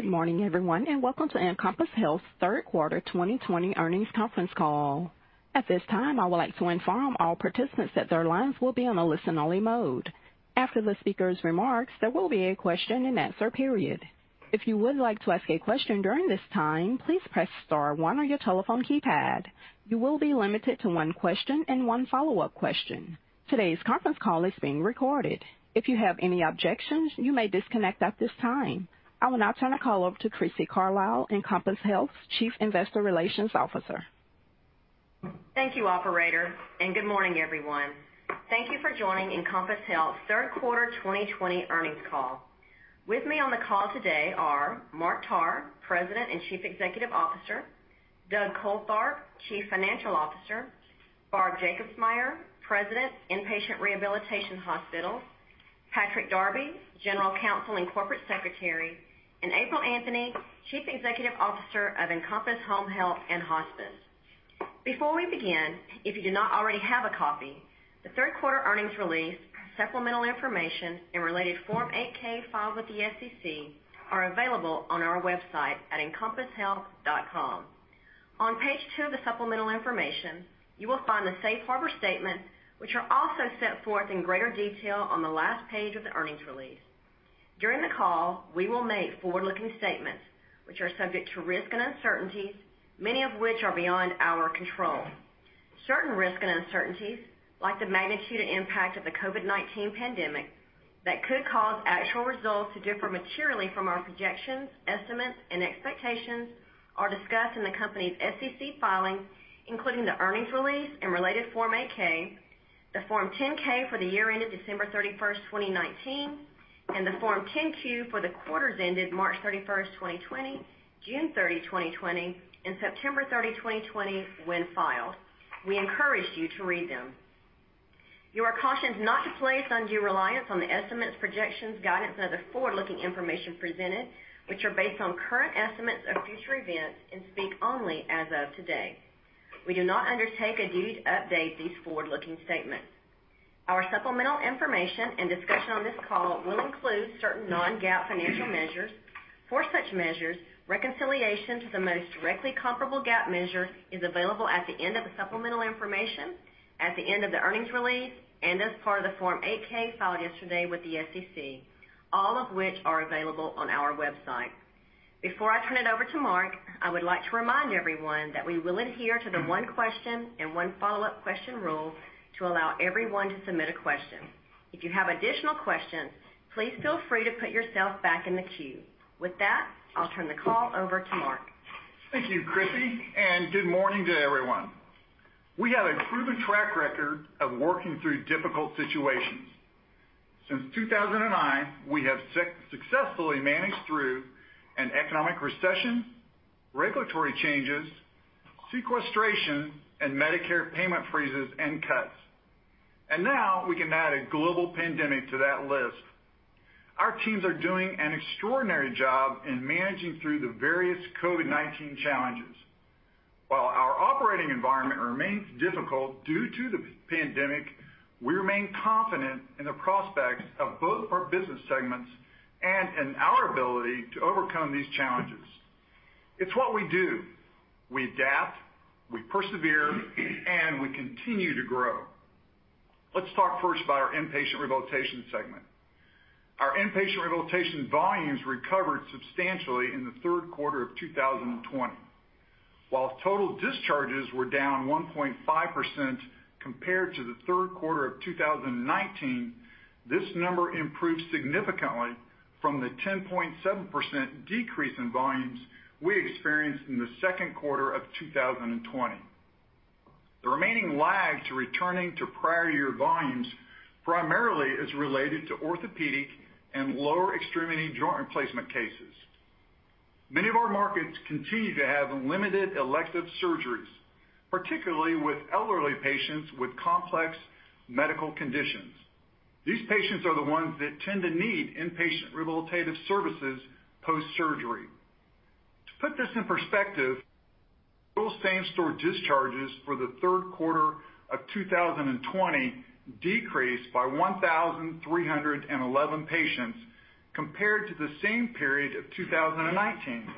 Good morning everyone, and welcome to Encompass Health third quarter 2020 earnings conference call. At this time, I would like to inform all participants that their lines will be on a listen-only mode. After the speaker's remarks, there will be a question and answer period. If you would like to ask a question during this time, please press star one on your telephone keypad. You will be limited to one question and one follow-up question. Today's conference call is being recorded. If you have any objections, you may disconnect at this time. I will now turn the call over to Crissy Carlisle, Encompass Health's Chief Investor Relations Officer. Thank you, operator, and good morning, everyone. Thank you for joining Encompass Health third quarter 2020 earnings call. With me on the call today are Mark Tarr, President and Chief Executive Officer, Doug Coltharp, Chief Financial Officer, Barb Jacobsmeyer, President, Inpatient Rehabilitation Hospital, Patrick Darby, General Counsel and Corporate Secretary, and April Anthony, Chief Executive Officer of Encompass Home Health and Hospice. Before we begin, if you do not already have a copy, the third quarter earnings release, supplemental information, and related Form 8-K filed with the SEC are available on our website at encompasshealth.com. On page two of the supplemental information, you will find the safe harbor statement, which are also set forth in greater detail on the last page of the earnings release. During the call, we will make forward-looking statements which are subject to risks and uncertainties, many of which are beyond our control. Certain risks and uncertainties, like the magnitude and impact of the COVID-19 pandemic, that could cause actual results to differ materially from our projections, estimates, and expectations are discussed in the company's SEC filings, including the earnings release and related Form 8-K, the Form 10-K for the year ended December 31, 2019, and the Form 10-Q for the quarters ended March 31, 2020, June 30, 2020, and September 30, 2020, when filed. We encourage you to read them. You are cautioned not to place undue reliance on the estimates, projections, guidance, and other forward-looking information presented, which are based on current estimates of future events and speak only as of today. We do not undertake a duty to update these forward-looking statements. Our supplemental information and discussion on this call will include certain non-GAAP financial measures. For such measures, reconciliation to the most directly comparable GAAP measure is available at the end of the supplemental information, at the end of the earnings release, and as part of the Form 8-K filed yesterday with the SEC, all of which are available on our website. Before I turn it over to Mark, I would like to remind everyone that we will adhere to the one question and one follow-up question rule to allow everyone to submit a question. If you have additional questions, please feel free to put yourself back in the queue. With that, I'll turn the call over to Mark. Thank you, Crissy, and good morning to everyone. We have a proven track record of working through difficult situations. Since 2009, we have successfully managed through an economic recession, regulatory changes, sequestration, and Medicare payment freezes and cuts, and now we can add a global pandemic to that list. Our teams are doing an extraordinary job in managing through the various COVID-19 challenges. While our operating environment remains difficult due to the pandemic, we remain confident in the prospects of both our business segments and in our ability to overcome these challenges. It's what we do. We adapt, we persevere, and we continue to grow. Let's talk first about our inpatient rehabilitation segment. Our inpatient rehabilitation volumes recovered substantially in the third quarter of 2020. While total discharges were down 1.5% compared to the third quarter of 2019, this number improved significantly from the 10.7% decrease in volumes we experienced in the second quarter of 2020. The remaining lag to returning to prior year volumes primarily is related to orthopedic and lower extremity joint replacement cases. Many of our markets continue to have limited elective surgeries, particularly with elderly patients with complex medical conditions. These patients are the ones that tend to need inpatient rehabilitative services post-surgery. To put this in perspective, those same-store discharges for the third quarter of 2020 decreased by 1,311 patients compared to the same period of 2019.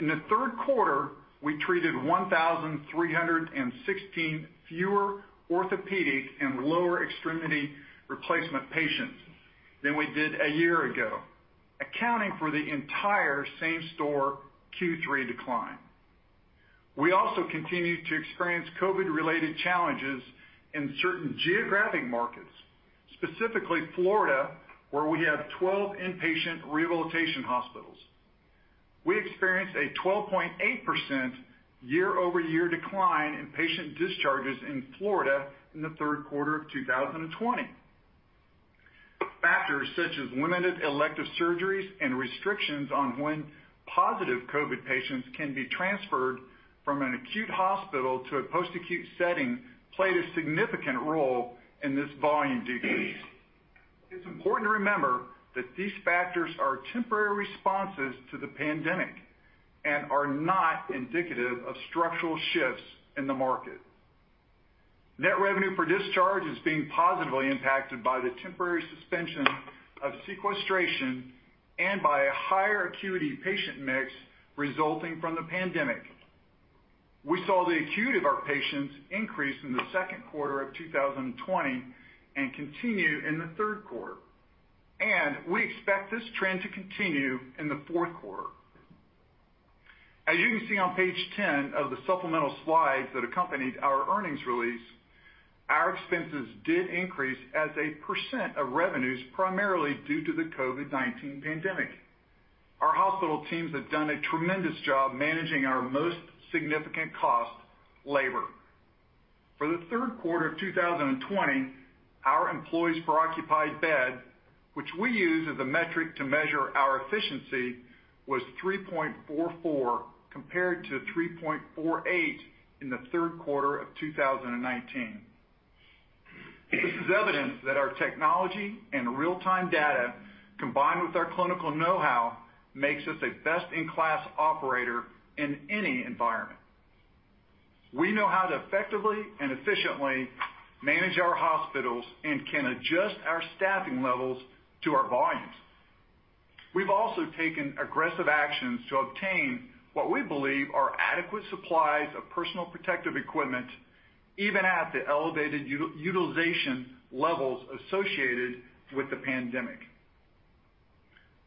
In the third quarter, we treated 1,316 fewer orthopedic and lower extremity replacement patients than we did a year ago, accounting for the entire same-store Q3 decline. We also continue to experience COVID-related challenges in certain geographic markets, specifically Florida, where we have 12 inpatient rehabilitation hospitals. We experienced a 12.8% year-over-year decline in patient discharges in Florida in the third quarter of 2020. Factors such as limited elective surgeries and restrictions on when positive COVID patients can be transferred from an acute hospital to a post-acute setting played a significant role in this volume decrease. It's important to remember that these factors are temporary responses to the pandemic and are not indicative of structural shifts in the market. Net revenue per discharge is being positively impacted by the temporary suspension of sequestration and by a higher acuity patient mix resulting from the pandemic. We saw the acuity of our patients increase in the second quarter of 2020 and continue in the third quarter. We expect this trend to continue in the fourth quarter. As you can see on page 10 of the supplemental slides that accompanied our earnings release, our expenses did increase as a percent of revenues, primarily due to the COVID-19 pandemic. Our hospital teams have done a tremendous job managing our most significant cost, labor. For the third quarter of 2020, our employees per occupied bed, which we use as a metric to measure our efficiency, was 3.44, compared to 3.48 in the third quarter of 2019. This is evidence that our technology and real-time data, combined with our clinical know-how, makes us a best-in-class operator in any environment. We know how to effectively and efficiently manage our hospitals and can adjust our staffing levels to our volumes. We've also taken aggressive actions to obtain what we believe are adequate supplies of personal protective equipment, even at the elevated utilization levels associated with the pandemic.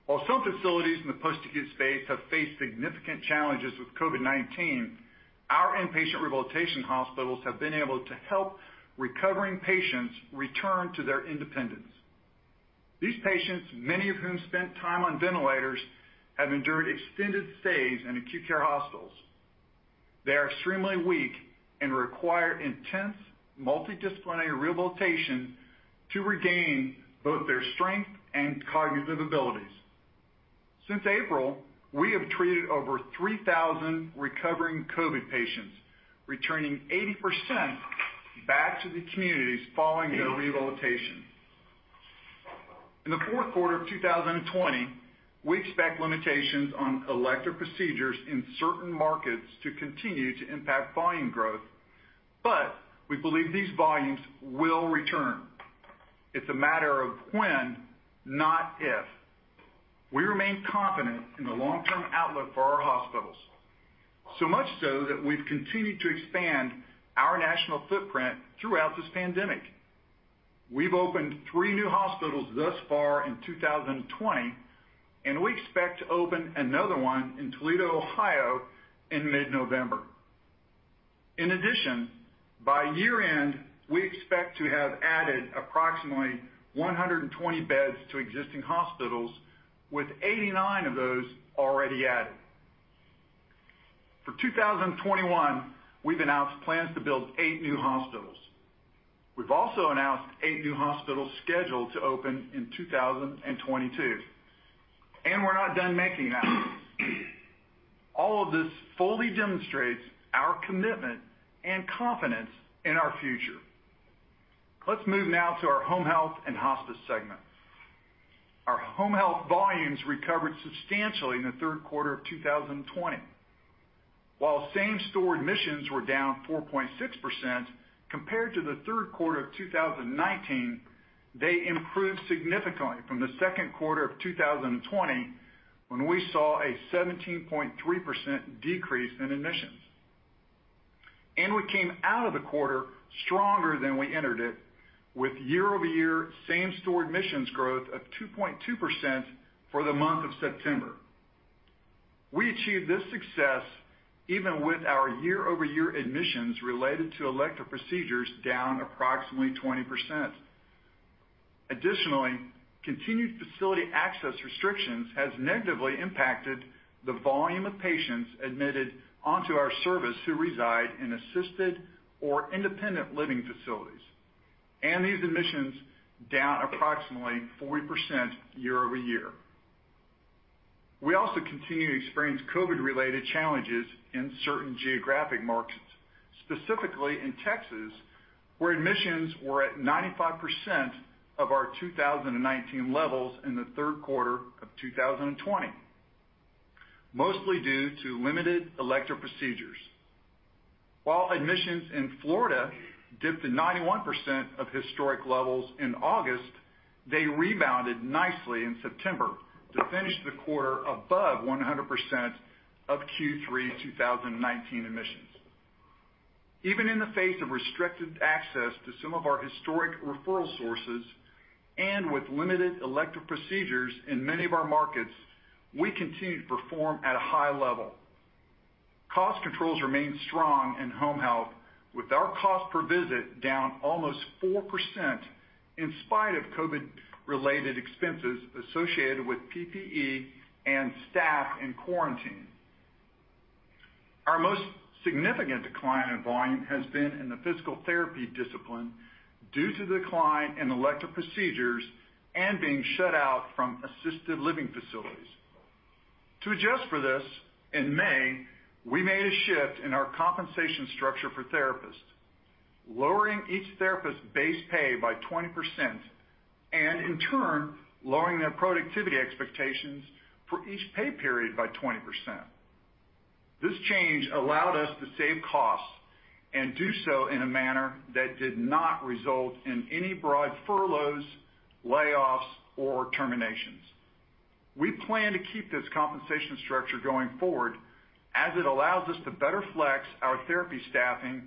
While some facilities in the post-acute space have faced significant challenges with COVID-19, our inpatient rehabilitation hospitals have been able to help recovering patients return to their independence. These patients, many of whom spent time on ventilators, have endured extended stays in acute care hospitals. They are extremely weak and require intense multidisciplinary rehabilitation to regain both their strength and cognitive abilities. Since April, we have treated over 3,000 recovering COVID patients, returning 80% back to the communities following their rehabilitation. In the fourth quarter of 2020, we expect limitations on elective procedures in certain markets to continue to impact volume growth, but we believe these volumes will return. It's a matter of when, not if. We remain confident in the long-term outlook for our hospitals. So much so that we've continued to expand our national footprint throughout this pandemic. We've opened three new hospitals thus far in 2020, and we expect to open another one in Toledo, Ohio, in mid-November. In addition, by year-end, we expect to have added approximately 120 beds to existing hospitals, with 89 of those already added. For 2021, we've announced plans to build eight new hospitals. We've also announced eight new hospitals scheduled to open in 2022, and we're not done making announcements. All of this fully demonstrates our commitment and confidence in our future. Let's move now to our Home Health and Hospice segment. Our Home Health volumes recovered substantially in the third quarter of 2020. While same-store admissions were down 4.6% compared to the third quarter of 2019, they improved significantly from the second quarter of 2020, when we saw a 17.3% decrease in admissions. We came out of the quarter stronger than we entered it, with year-over-year same-store admissions growth of 2.2% for the month of September. We achieved this success even with our year-over-year admissions related to elective procedures down approximately 20%. Additionally, continued facility access restrictions has negatively impacted the volume of patients admitted onto our service who reside in assisted or independent living facilities. These admissions down approximately 40% year-over-year. We also continue to experience COVID-related challenges in certain geographic markets, specifically in Texas, where admissions were at 95% of our 2019 levels in the third quarter of 2020, mostly due to limited elective procedures. While admissions in Florida dipped to 91% of historic levels in August, they rebounded nicely in September to finish the quarter above 100% of Q3 2019 admissions. Even in the face of restricted access to some of our historic referral sources, and with limited elective procedures in many of our markets, we continue to perform at a high level. Cost controls remain strong in home health, with our cost per visit down almost 4%, in spite of COVID-related expenses associated with PPE and staff in quarantine. Our most significant decline in volume has been in the physical therapy discipline due to the decline in elective procedures and being shut out from assisted living facilities. To adjust for this, in May, we made a shift in our compensation structure for therapists, lowering each therapist's base pay by 20%, and in turn, lowering their productivity expectations for each pay period by 20%. This change allowed us to save costs and do so in a manner that did not result in any broad furloughs, layoffs, or terminations. We plan to keep this compensation structure going forward as it allows us to better flex our therapy staffing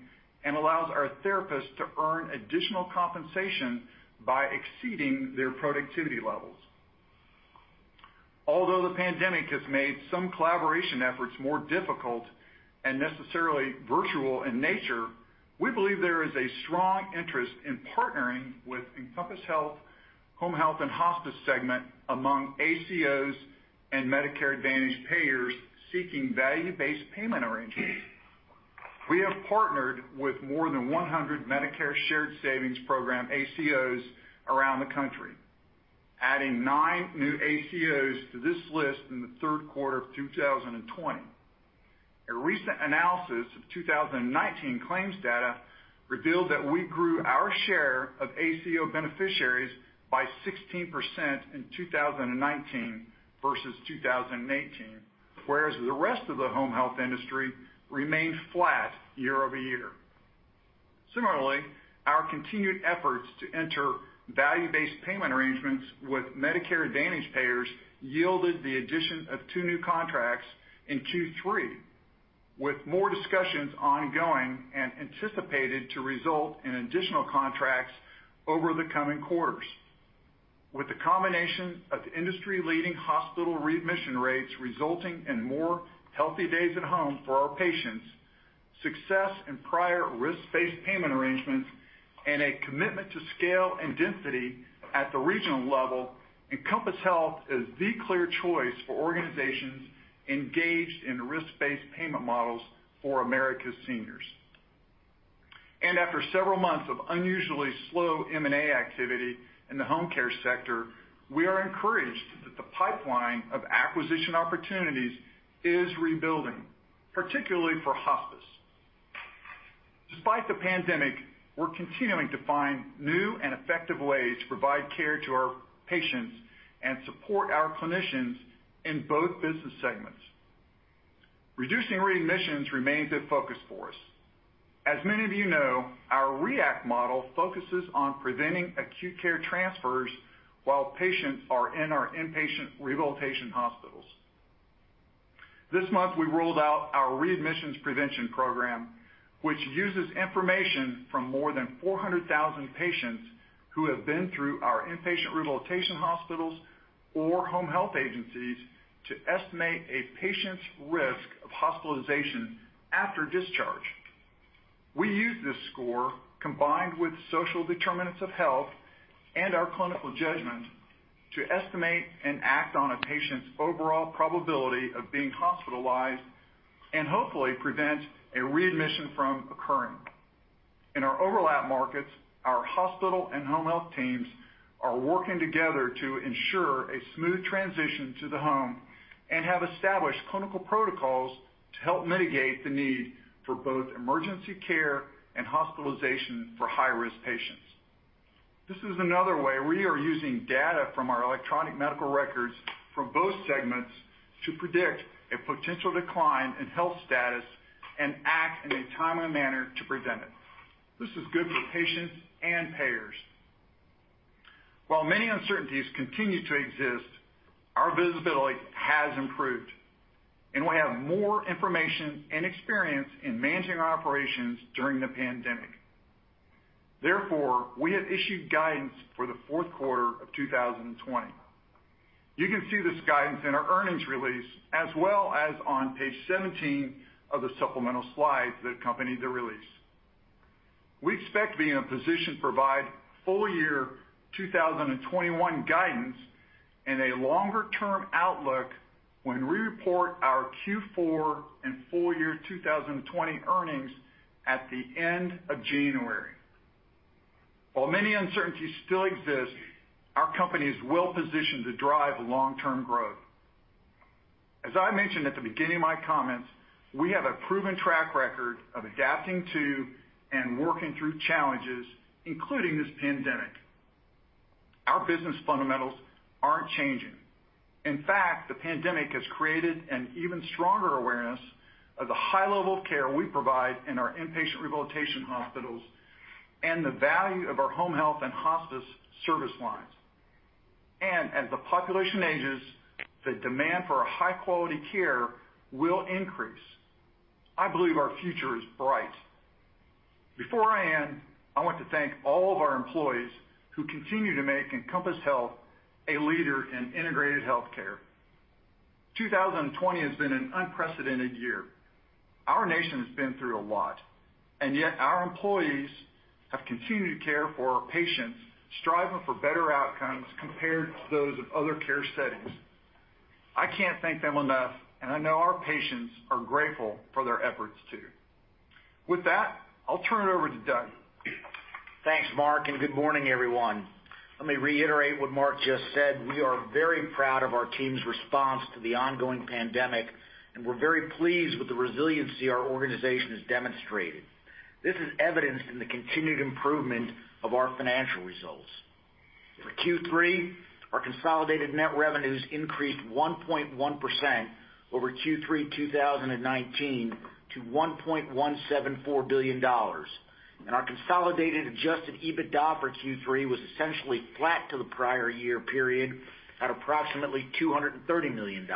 and allows our therapists to earn additional compensation by exceeding their productivity levels. Although the pandemic has made some collaboration efforts more difficult and necessarily virtual in nature, we believe there is a strong interest in partnering with Encompass Health Home Health and Hospice segment among ACOs and Medicare Advantage payers seeking value-based payment arrangements. We have partnered with more than 100 Medicare Shared Savings Program ACOs around the country, adding nine new ACOs to this list in the third quarter of 2020. A recent analysis of 2019 claims data revealed that we grew our share of ACO beneficiaries by 16% in 2019 versus 2018, whereas the rest of the home health industry remained flat year-over-year. Similarly, our continued efforts to enter value-based payment arrangements with Medicare Advantage payers yielded the addition of two new contracts in Q3, with more discussions ongoing and anticipated to result in additional contracts over the coming quarters. With the combination of industry-leading hospital readmission rates resulting in more healthy days at home for our patients, success in prior risk-based payment arrangements, and a commitment to scale and density at the regional level, Encompass Health is the clear choice for organizations engaged in risk-based payment models for America's seniors. After several months of unusually slow M&A activity in the home care sector, we are encouraged that the pipeline of acquisition opportunities is rebuilding, particularly for hospice. Despite the pandemic, we're continuing to find new and effective ways to provide care to our patients and support our clinicians in both business segments. Reducing readmissions remains a focus for us. As many of you know, our REACT model focuses on preventing acute care transfers while patients are in our inpatient rehabilitation hospitals. This month, we rolled out our readmissions prevention program, which uses information from more than 400,000 patients who have been through our inpatient rehabilitation hospitals or home health agencies to estimate a patient's risk of hospitalization after discharge. We use this score, combined with social determinants of health and our clinical judgment, to estimate and act on a patient's overall probability of being hospitalized, and hopefully prevent a readmission from occurring. In our overlap markets, our hospital and home health teams are working together to ensure a smooth transition to the home and have established clinical protocols to help mitigate the need for both emergency care and hospitalization for high-risk patients. This is another way we are using data from our electronic medical records from both segments to predict a potential decline in health status and act in a timely manner to prevent it. This is good for patients and payers. While many uncertainties continue to exist, our visibility has improved, and we have more information and experience in managing our operations during the pandemic. Therefore, we have issued guidance for the fourth quarter of 2020. You can see this guidance in our earnings release, as well as on page 17 of the supplemental slides that accompanied the release. We expect to be in a position to provide full year 2021 guidance and a longer-term outlook when we report our Q4 and full year 2020 earnings at the end of January. While many uncertainties still exist, our company is well positioned to drive long-term growth. As I mentioned at the beginning of my comments, we have a proven track record of adapting to and working through challenges, including this pandemic. Our business fundamentals aren't changing. In fact, the pandemic has created an even stronger awareness of the high level of care we provide in our inpatient rehabilitation hospitals and the value of our Home Health and Hospice service lines. As the population ages, the demand for high-quality care will increase. I believe our future is bright. Before I end, I want to thank all of our employees who continue to make Encompass Health a leader in integrated healthcare. 2020 has been an unprecedented year. Our nation has been through a lot, and yet our employees have continued to care for our patients, striving for better outcomes compared to those of other care settings. I can't thank them enough. I know our patients are grateful for their efforts, too. With that, I'll turn it over to Doug. Thanks, Mark. Good morning, everyone. Let me reiterate what Mark just said. We are very proud of our team's response to the ongoing pandemic, and we're very pleased with the resiliency our organization has demonstrated. This is evidenced in the continued improvement of our financial results. For Q3, our consolidated net revenues increased 1.1% over Q3 2019 to $1.174 billion. Our consolidated adjusted EBITDA for Q3 was essentially flat to the prior year period, at approximately $230 million.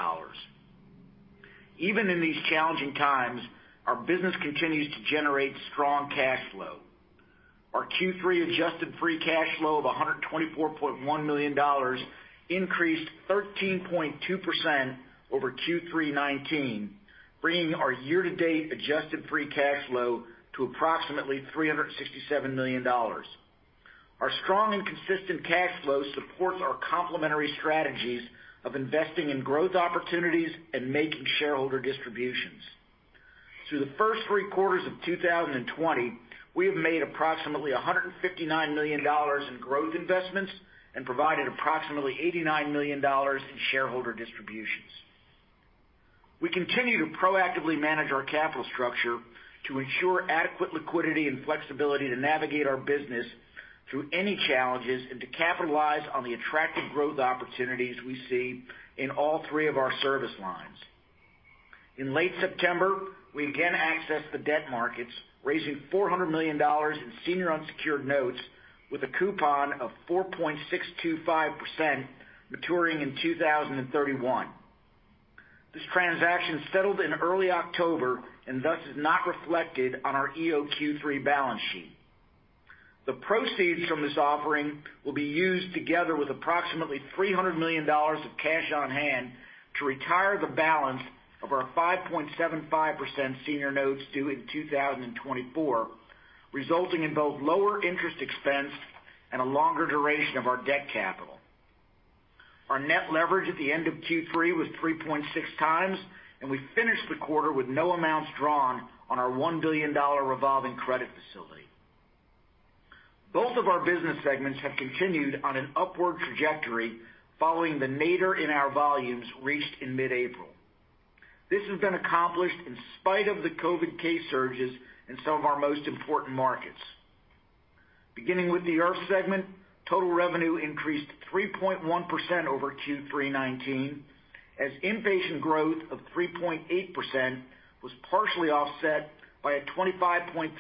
Even in these challenging times, our business continues to generate strong cash flow. Our Q3 adjusted free cash flow of $124.1 million increased 13.2% over Q3 2019, bringing our year-to-date adjusted free cash flow to approximately $367 million. Our strong and consistent cash flow supports our complementary strategies of investing in growth opportunities and making shareholder distributions. Through the first three quarters of 2020, we have made approximately $159 million in growth investments and provided approximately $89 million in shareholder distributions. We continue to proactively manage our capital structure to ensure adequate liquidity and flexibility to navigate our business through any challenges, and to capitalize on the attractive growth opportunities we see in all three of our service lines. In late September, we again accessed the debt markets, raising $400 million in senior unsecured notes with a coupon of 4.625% maturing in 2031. This transaction settled in early October and thus is not reflected on our EOQ3 balance sheet. The proceeds from this offering will be used together with approximately $300 million of cash on hand to retire the balance of our 5.75% senior notes due in 2024, resulting in both lower interest expense and a longer duration of our debt capital. Our net leverage at the end of Q3 was 3.6x, and we finished the quarter with no amounts drawn on our $1 billion revolving credit facility. Both of our business segments have continued on an upward trajectory following the nadir in our volumes reached in mid-April. This has been accomplished in spite of the COVID-19 case surges in some of our most important markets. Beginning with the IRF segment, total revenue increased 3.1% over Q3 2019, as inpatient growth of 3.8% was partially offset by a 25.3%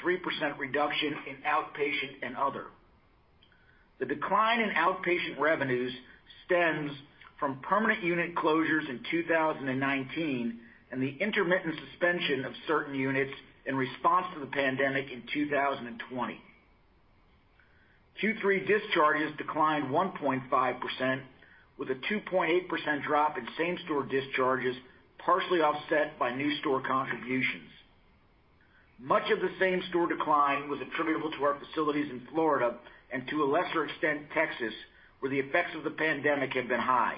reduction in outpatient and other. The decline in outpatient revenues stems from permanent unit closures in 2019 and the intermittent suspension of certain units in response to the pandemic in 2020. Q3 discharges declined 1.5%, with a 2.8% drop in same-store discharges, partially offset by new store contributions. Much of the same-store decline was attributable to our facilities in Florida and, to a lesser extent, Texas, where the effects of the pandemic have been high.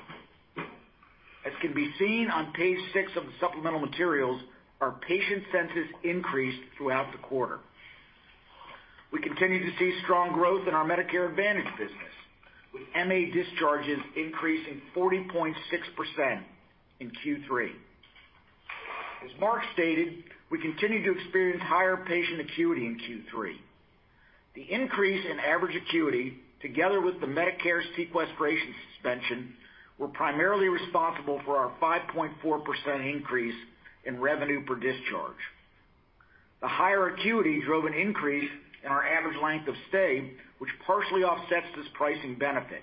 As can be seen on page six of the supplemental materials, our patient census increased throughout the quarter. We continue to see strong growth in our Medicare Advantage business, with MA discharges increasing 40.6% in Q3. As Mark stated, we continue to experience higher patient acuity in Q3. The increase in average acuity, together with the Medicare sequestration suspension, were primarily responsible for our 5.4% increase in revenue per discharge. The higher acuity drove an increase in our average length of stay, which partially offsets this pricing benefit.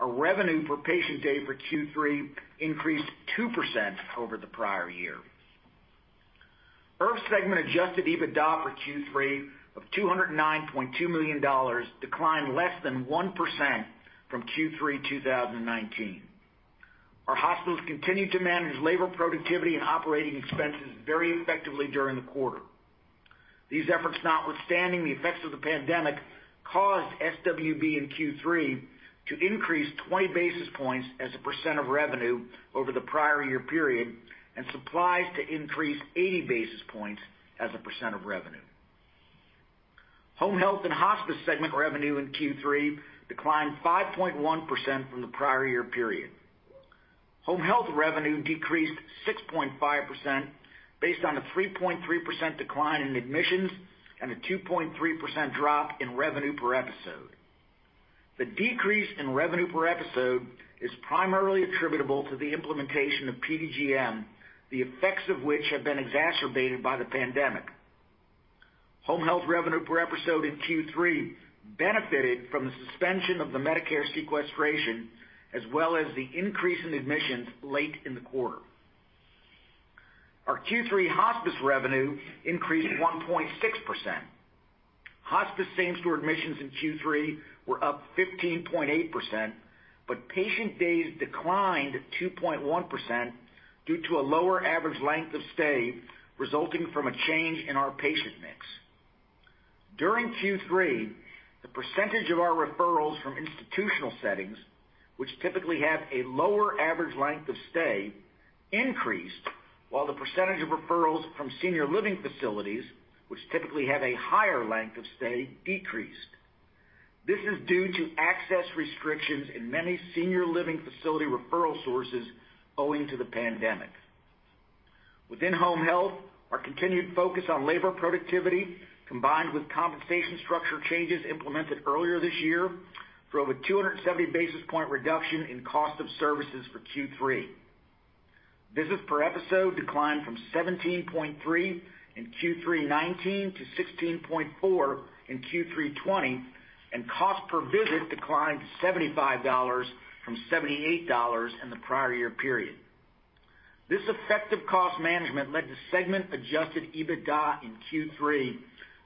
Our revenue per patient day for Q3 increased 2% over the prior year. IRF segment adjusted EBITDA for Q3 of $209.2 million, declined less than 1% from Q3 2019. Our hospitals continued to manage labor productivity and operating expenses very effectively during the quarter. These efforts notwithstanding the effects of the pandemic, caused SWB in Q3 to increase 20 basis points as a percent of revenue over the prior year period, and supplies to increase 80 basis points as a percent of revenue. Home Health & Hospice segment revenue in Q3 declined 5.1% from the prior year period. Home health revenue decreased 6.5%, based on a 3.3% decline in admissions and a 2.3% drop in revenue per episode. The decrease in revenue per episode is primarily attributable to the implementation of PDGM, the effects of which have been exacerbated by the pandemic. Home health revenue per episode in Q3 benefited from the suspension of the Medicare sequestration, as well as the increase in admissions late in the quarter. Our Q3 hospice revenue increased 1.6%. Hospice same-store admissions in Q3 were up 15.8%, but patient days declined 2.1% due to a lower average length of stay, resulting from a change in our patient mix. During Q3, the percentage of our referrals from institutional settings, which typically have a lower average length of stay, increased, while the percentage of referrals from senior living facilities, which typically have a higher length of stay, decreased. This is due to access restrictions in many senior living facility referral sources owing to the pandemic. Within home health, our continued focus on labor productivity, combined with compensation structure changes implemented earlier this year, drove a 270 basis point reduction in cost of services for Q3. Visits per episode declined from 17.3 in Q3 2019 to 16.4 in Q3 2020, and cost per visit declined to $75 from $78 in the prior year period. This effective cost management led to segment adjusted EBITDA in Q3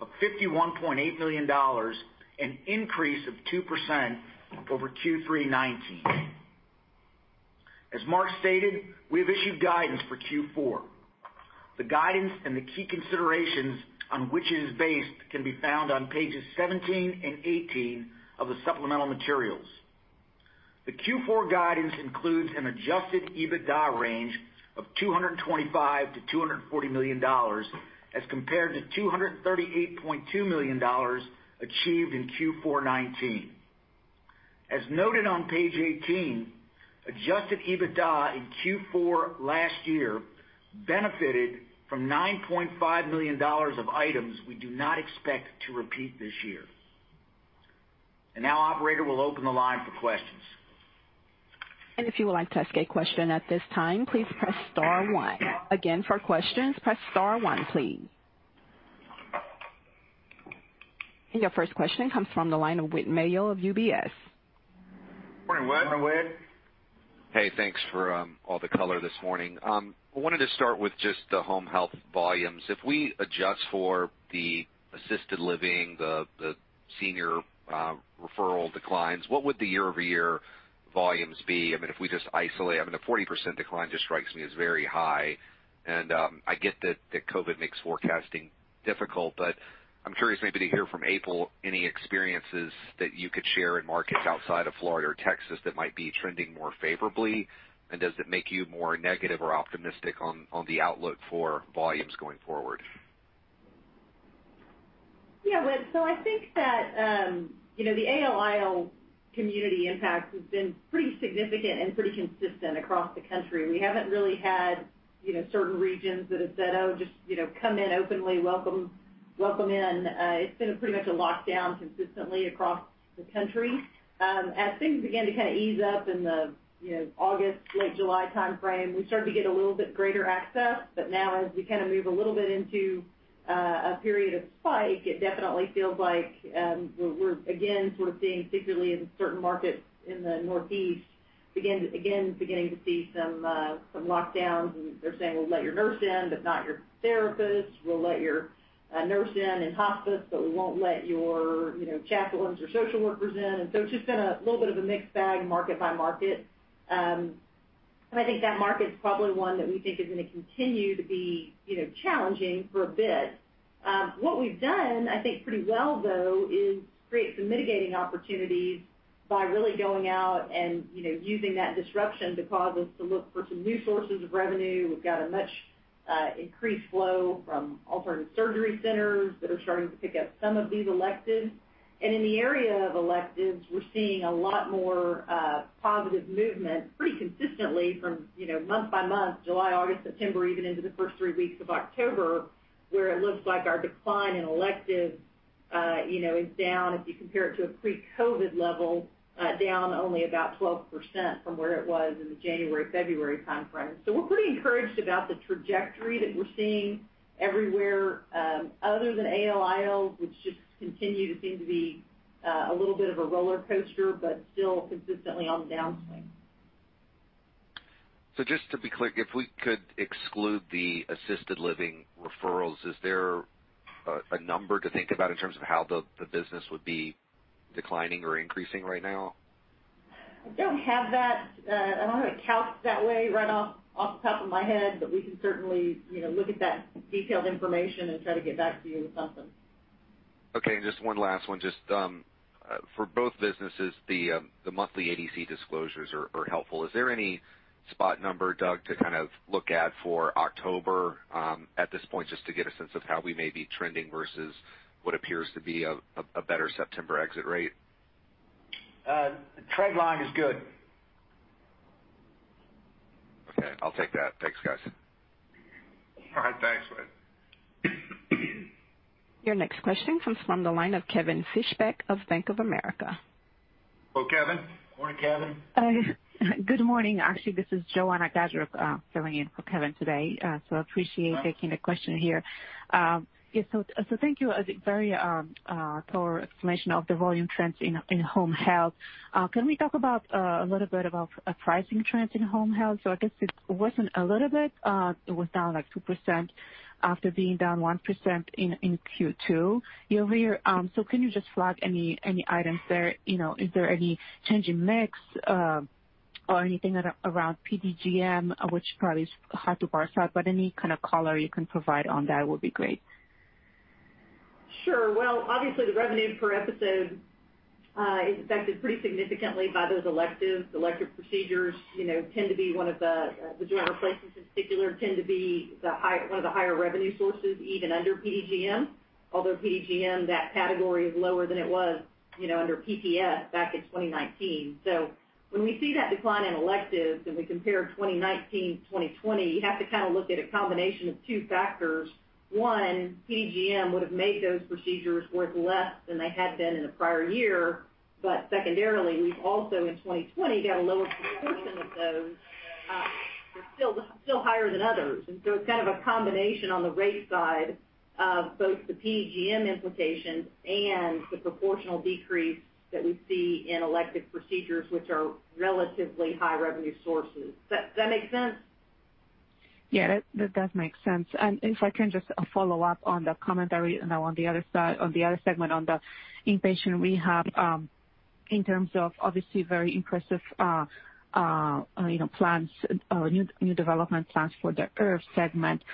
of $51.8 million, an increase of 2% over Q3 2019. As Mark stated, we have issued guidance for Q4. The guidance and the key considerations on which it is based can be found on pages 17 and 18 of the supplemental materials. The Q4 guidance includes an adjusted EBITDA range of $225 million-$240 million, as compared to $238.2 million achieved in Q4 2019. As noted on page 18, adjusted EBITDA in Q4 last year benefited from $9.5 million of items we do not expect to repeat this year. Now, operator, we'll open the line for questions. If you would like to ask a question at this time, please press star one. Again, for questions, press star one, please. Your first question comes from the line of Whit Mayo of UBS. Morning, Whit. Hey, thanks for all the color this morning. I wanted to start with just the Home Health volumes. If we adjust for the assisted living, the senior referral declines, what would the year-over-year volumes be? If we just isolate, I mean, a 40% decline just strikes me as very high. I get that COVID makes forecasting difficult, but I'm curious maybe to hear from April any experiences that you could share in markets outside of Florida or Texas that might be trending more favorably. Does it make you more negative or optimistic on the outlook for volumes going forward? Yeah, Whit. I think that the ALIL community impact has been pretty significant and pretty consistent across the country. We haven't really had certain regions that have said, "Oh, just come in openly. Welcome in." It's been pretty much a lockdown consistently across the country. As things began to ease up in the August, late July timeframe, we started to get a little bit greater access. Now as we move a little bit into a period of spike, it definitely feels like we're again sort of seeing, particularly in certain markets in the Northeast, again beginning to see some lockdowns. They're saying, "We'll let your nurse in, but not your therapist. We'll let your nurse in hospice, but we won't let your chaplains or social workers in." It's just been a little bit of a mixed bag market by market. I think that market's probably one that we think is going to continue to be challenging for a bit. What we've done, I think, pretty well, though, is create some mitigating opportunities by really going out and using that disruption to cause us to look for some new sources of revenue. We've got a much increased flow from alternative surgery centers that are starting to pick up some of these electives. In the area of electives, we're seeing a lot more positive movement pretty consistently from month by month, July, August, September, even into the first three weeks of October, where it looks like our decline in electives is down, if you compare it to a pre-COVID level, down only about 12% from where it was in the January-February timeframe. We're pretty encouraged about the trajectory that we're seeing everywhere other than ALILs, which just continue to seem to be a little bit of a roller coaster, but still consistently on the downswing. Just to be clear, if we could exclude the assisted living referrals, is there a number to think about in terms of how the business would be declining or increasing right now? I don't have that. I don't have it calc'd that way right off the top of my head, but we can certainly look at that detailed information and try to get back to you with something. Okay, just one last one. Just for both businesses, the monthly ADC disclosures are helpful. Is there any spot number, Doug, to kind of look at for October at this point, just to get a sense of how we may be trending versus what appears to be a better September exit rate? The trend line is good. Okay, I'll take that. Thanks, guys. All right. Thanks, Whit. Your next question comes from the line of Kevin Fischbeck of Bank of America. Hello, Kevin. Morning, Kevin. Good morning. Actually, this is Joanna Gajuk filling in for Kevin today, so appreciate taking the question here. Thank you. A very thorough explanation of the volume trends in home health. Can we talk a little bit about pricing trends in home health? I guess it wasn't a little bit. It was down, like, 2% after being down 1% in Q2 year-over-year. Can you just flag any items there? Is there any change in mix or anything around PDGM, which probably is hard to parse out, but any kind of color you can provide on that would be great. Sure. Well, obviously, the revenue per episode It's affected pretty significantly by those electives. Elective procedures tend to be one of the joint replacements in particular, tend to be one of the higher revenue sources, even under PDGM. Although PDGM, that category is lower than it was under PPS back in 2019. When we see that decline in electives and we compare 2019 to 2020, you have to look at a combination of two factors. One, PDGM would've made those procedures worth less than they had been in the prior year. Secondarily, we've also in 2020 got a lower proportion of those. They're still higher than others. It's kind of a combination on the rate side of both the PDGM implications and the proportional decrease that we see in elective procedures, which are relatively high revenue sources. Does that make sense? Yeah, that does make sense. If I can just follow up on the commentary now on the other segment, on the inpatient rehab, in terms of obviously very impressive new development plans for the IRF segment.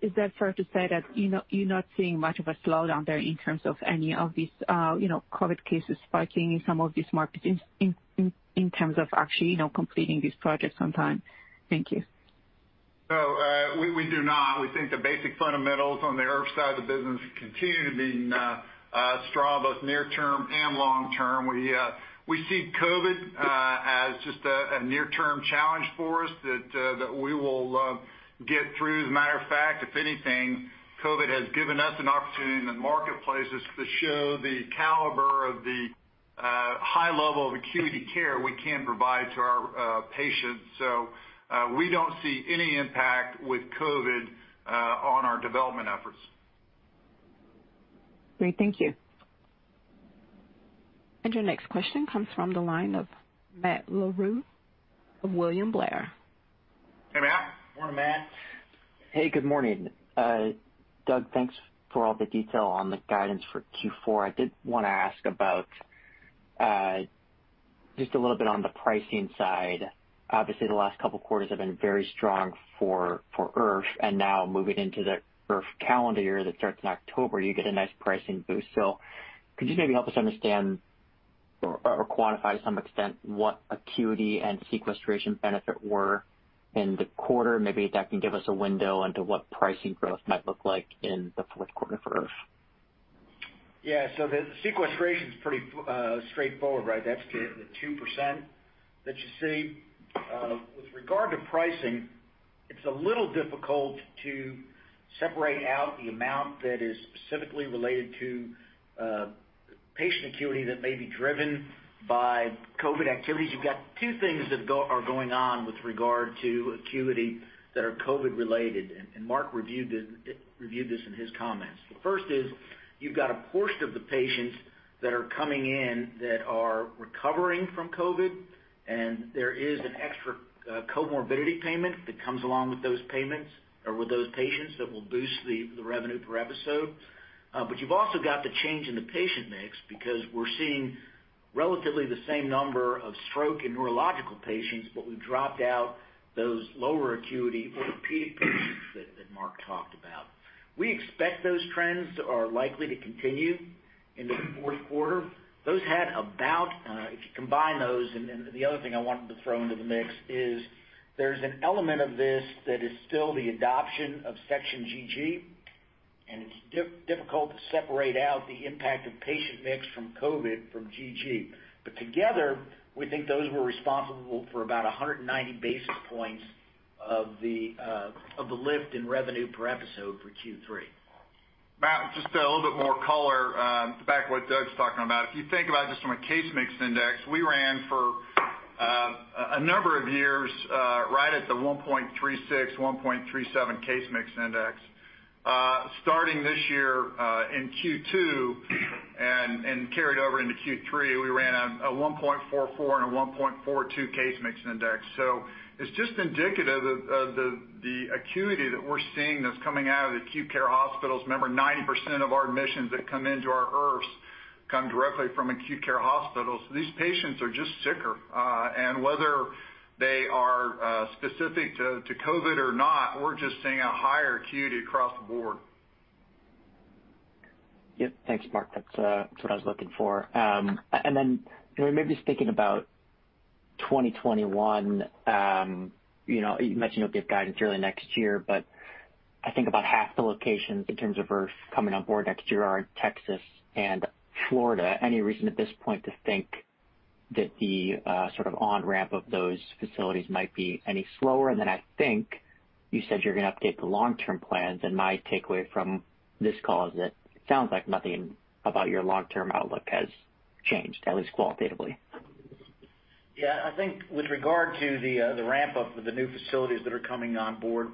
Is that fair to say that you're not seeing much of a slowdown there in terms of any of these COVID cases spiking in some of these markets in terms of actually completing these projects on time? Thank you. No, we do not. We think the basic fundamentals on the IRF side of the business continue to be strong, both near term and long term. We see COVID as just a near-term challenge for us that we will get through. As a matter of fact, if anything, COVID has given us an opportunity in the marketplaces to show the caliber of the high level of acuity care we can provide to our patients. We don't see any impact with COVID on our development efforts. Great. Thank you. Your next question comes from the line of Matt Larew of William Blair. Hey, Matt. Morning, Matt. Hey, good morning. Doug, thanks for all the detail on the guidance for Q4. I did want to ask about just a little bit on the pricing side. Obviously, the last couple of quarters have been very strong for IRF, now moving into the IRF calendar year that starts in October, you get a nice pricing boost. Could you maybe help us understand or quantify to some extent what acuity and sequestration benefit were in the quarter? Maybe that can give us a window into what pricing growth might look like in the fourth quarter for IRF. Yeah. The sequestration's pretty straightforward, right? That's the 2% that you see. With regard to pricing, it's a little difficult to separate out the amount that is specifically related to patient acuity that may be driven by COVID activities. You've got two things that are going on with regard to acuity that are COVID related, and Mark reviewed this in his comments. The first is you've got a portion of the patients that are coming in that are recovering from COVID, and there is an extra comorbidity payment that comes along with those patients that will boost the revenue per episode. You've also got the change in the patient mix because we're seeing relatively the same number of stroke and neurological patients, but we've dropped out those lower acuity orthopedic patients that Mark talked about. We expect those trends are likely to continue into the fourth quarter. Those had about, if you combine those, and the other thing I wanted to throw into the mix is there's an element of this that is still the adoption of Section GG, and it's difficult to separate out the impact of patient mix from COVID from GG. Together, we think those were responsible for about 190 basis points of the lift in revenue per episode for Q3. Matt, just to add a little bit more color, back what Doug's talking about, if you think about just from a case mix index, we ran for a number of years, right at the 1.36, 1.37 case mix index. Starting this year, in Q2 and carried over into Q3, we ran a 1.44 and a 1.42 case mix index. It's just indicative of the acuity that we're seeing that's coming out of the acute care hospitals. Remember, 90% of our admissions that come into our IRFs come directly from acute care hospitals. These patients are just sicker. Whether they are specific to COVID or not, we're just seeing a higher acuity across the board. Yep. Thanks, Mark. That's what I was looking for. Maybe just thinking about 2021. You mentioned you'll give guidance early next year, but I think about half the locations in terms of IRF coming on board next year are in Texas and Florida. Any reason at this point to think that the sort of on-ramp of those facilities might be any slower? I think you said you're going to update the long-term plans, and my takeaway from this call is that it sounds like nothing about your long-term outlook has changed, at least qualitatively. Yeah, I think with regard to the ramp-up of the new facilities that are coming on board,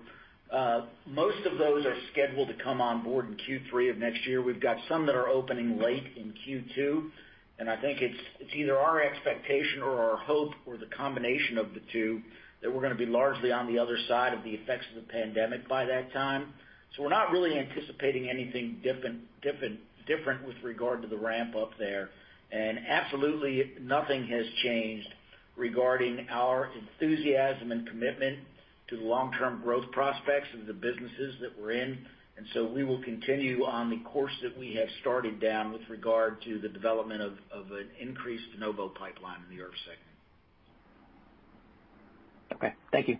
most of those are scheduled to come on board in Q3 of next year. We've got some that are opening late in Q2, and I think it's either our expectation or our hope or the combination of the two that we're going to be largely on the other side of the effects of the pandemic by that time. We're not really anticipating anything different with regard to the ramp-up there. Absolutely nothing has changed regarding our enthusiasm and commitment to the long-term growth prospects of the businesses that we're in. We will continue on the course that we have started down with regard to the development of an increased de novo pipeline in the IRF segment. Okay. Thank you.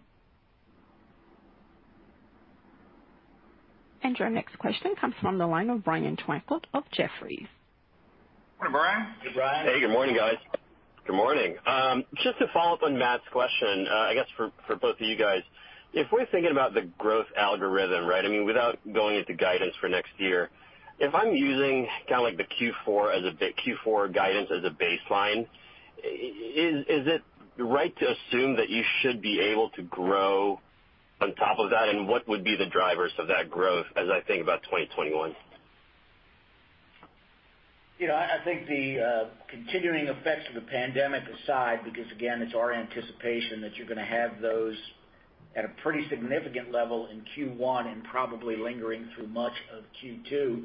Our next question comes from the line of Brian Tanquilut of Jefferies. Good morning, Brian. Hey, Brian. Hey, good morning, guys. Good morning. Just to follow up on Matt's question, I guess for both of you guys, if we're thinking about the growth algorithm, right? Without going into guidance for next year, if I'm using the Q4 guidance as a baseline, is it right to assume that you should be able to grow on top of that? What would be the drivers of that growth as I think about 2021? I think the continuing effects of the pandemic aside, because again, it's our anticipation that you're going to have those at a pretty significant level in Q1 and probably lingering through much of Q2.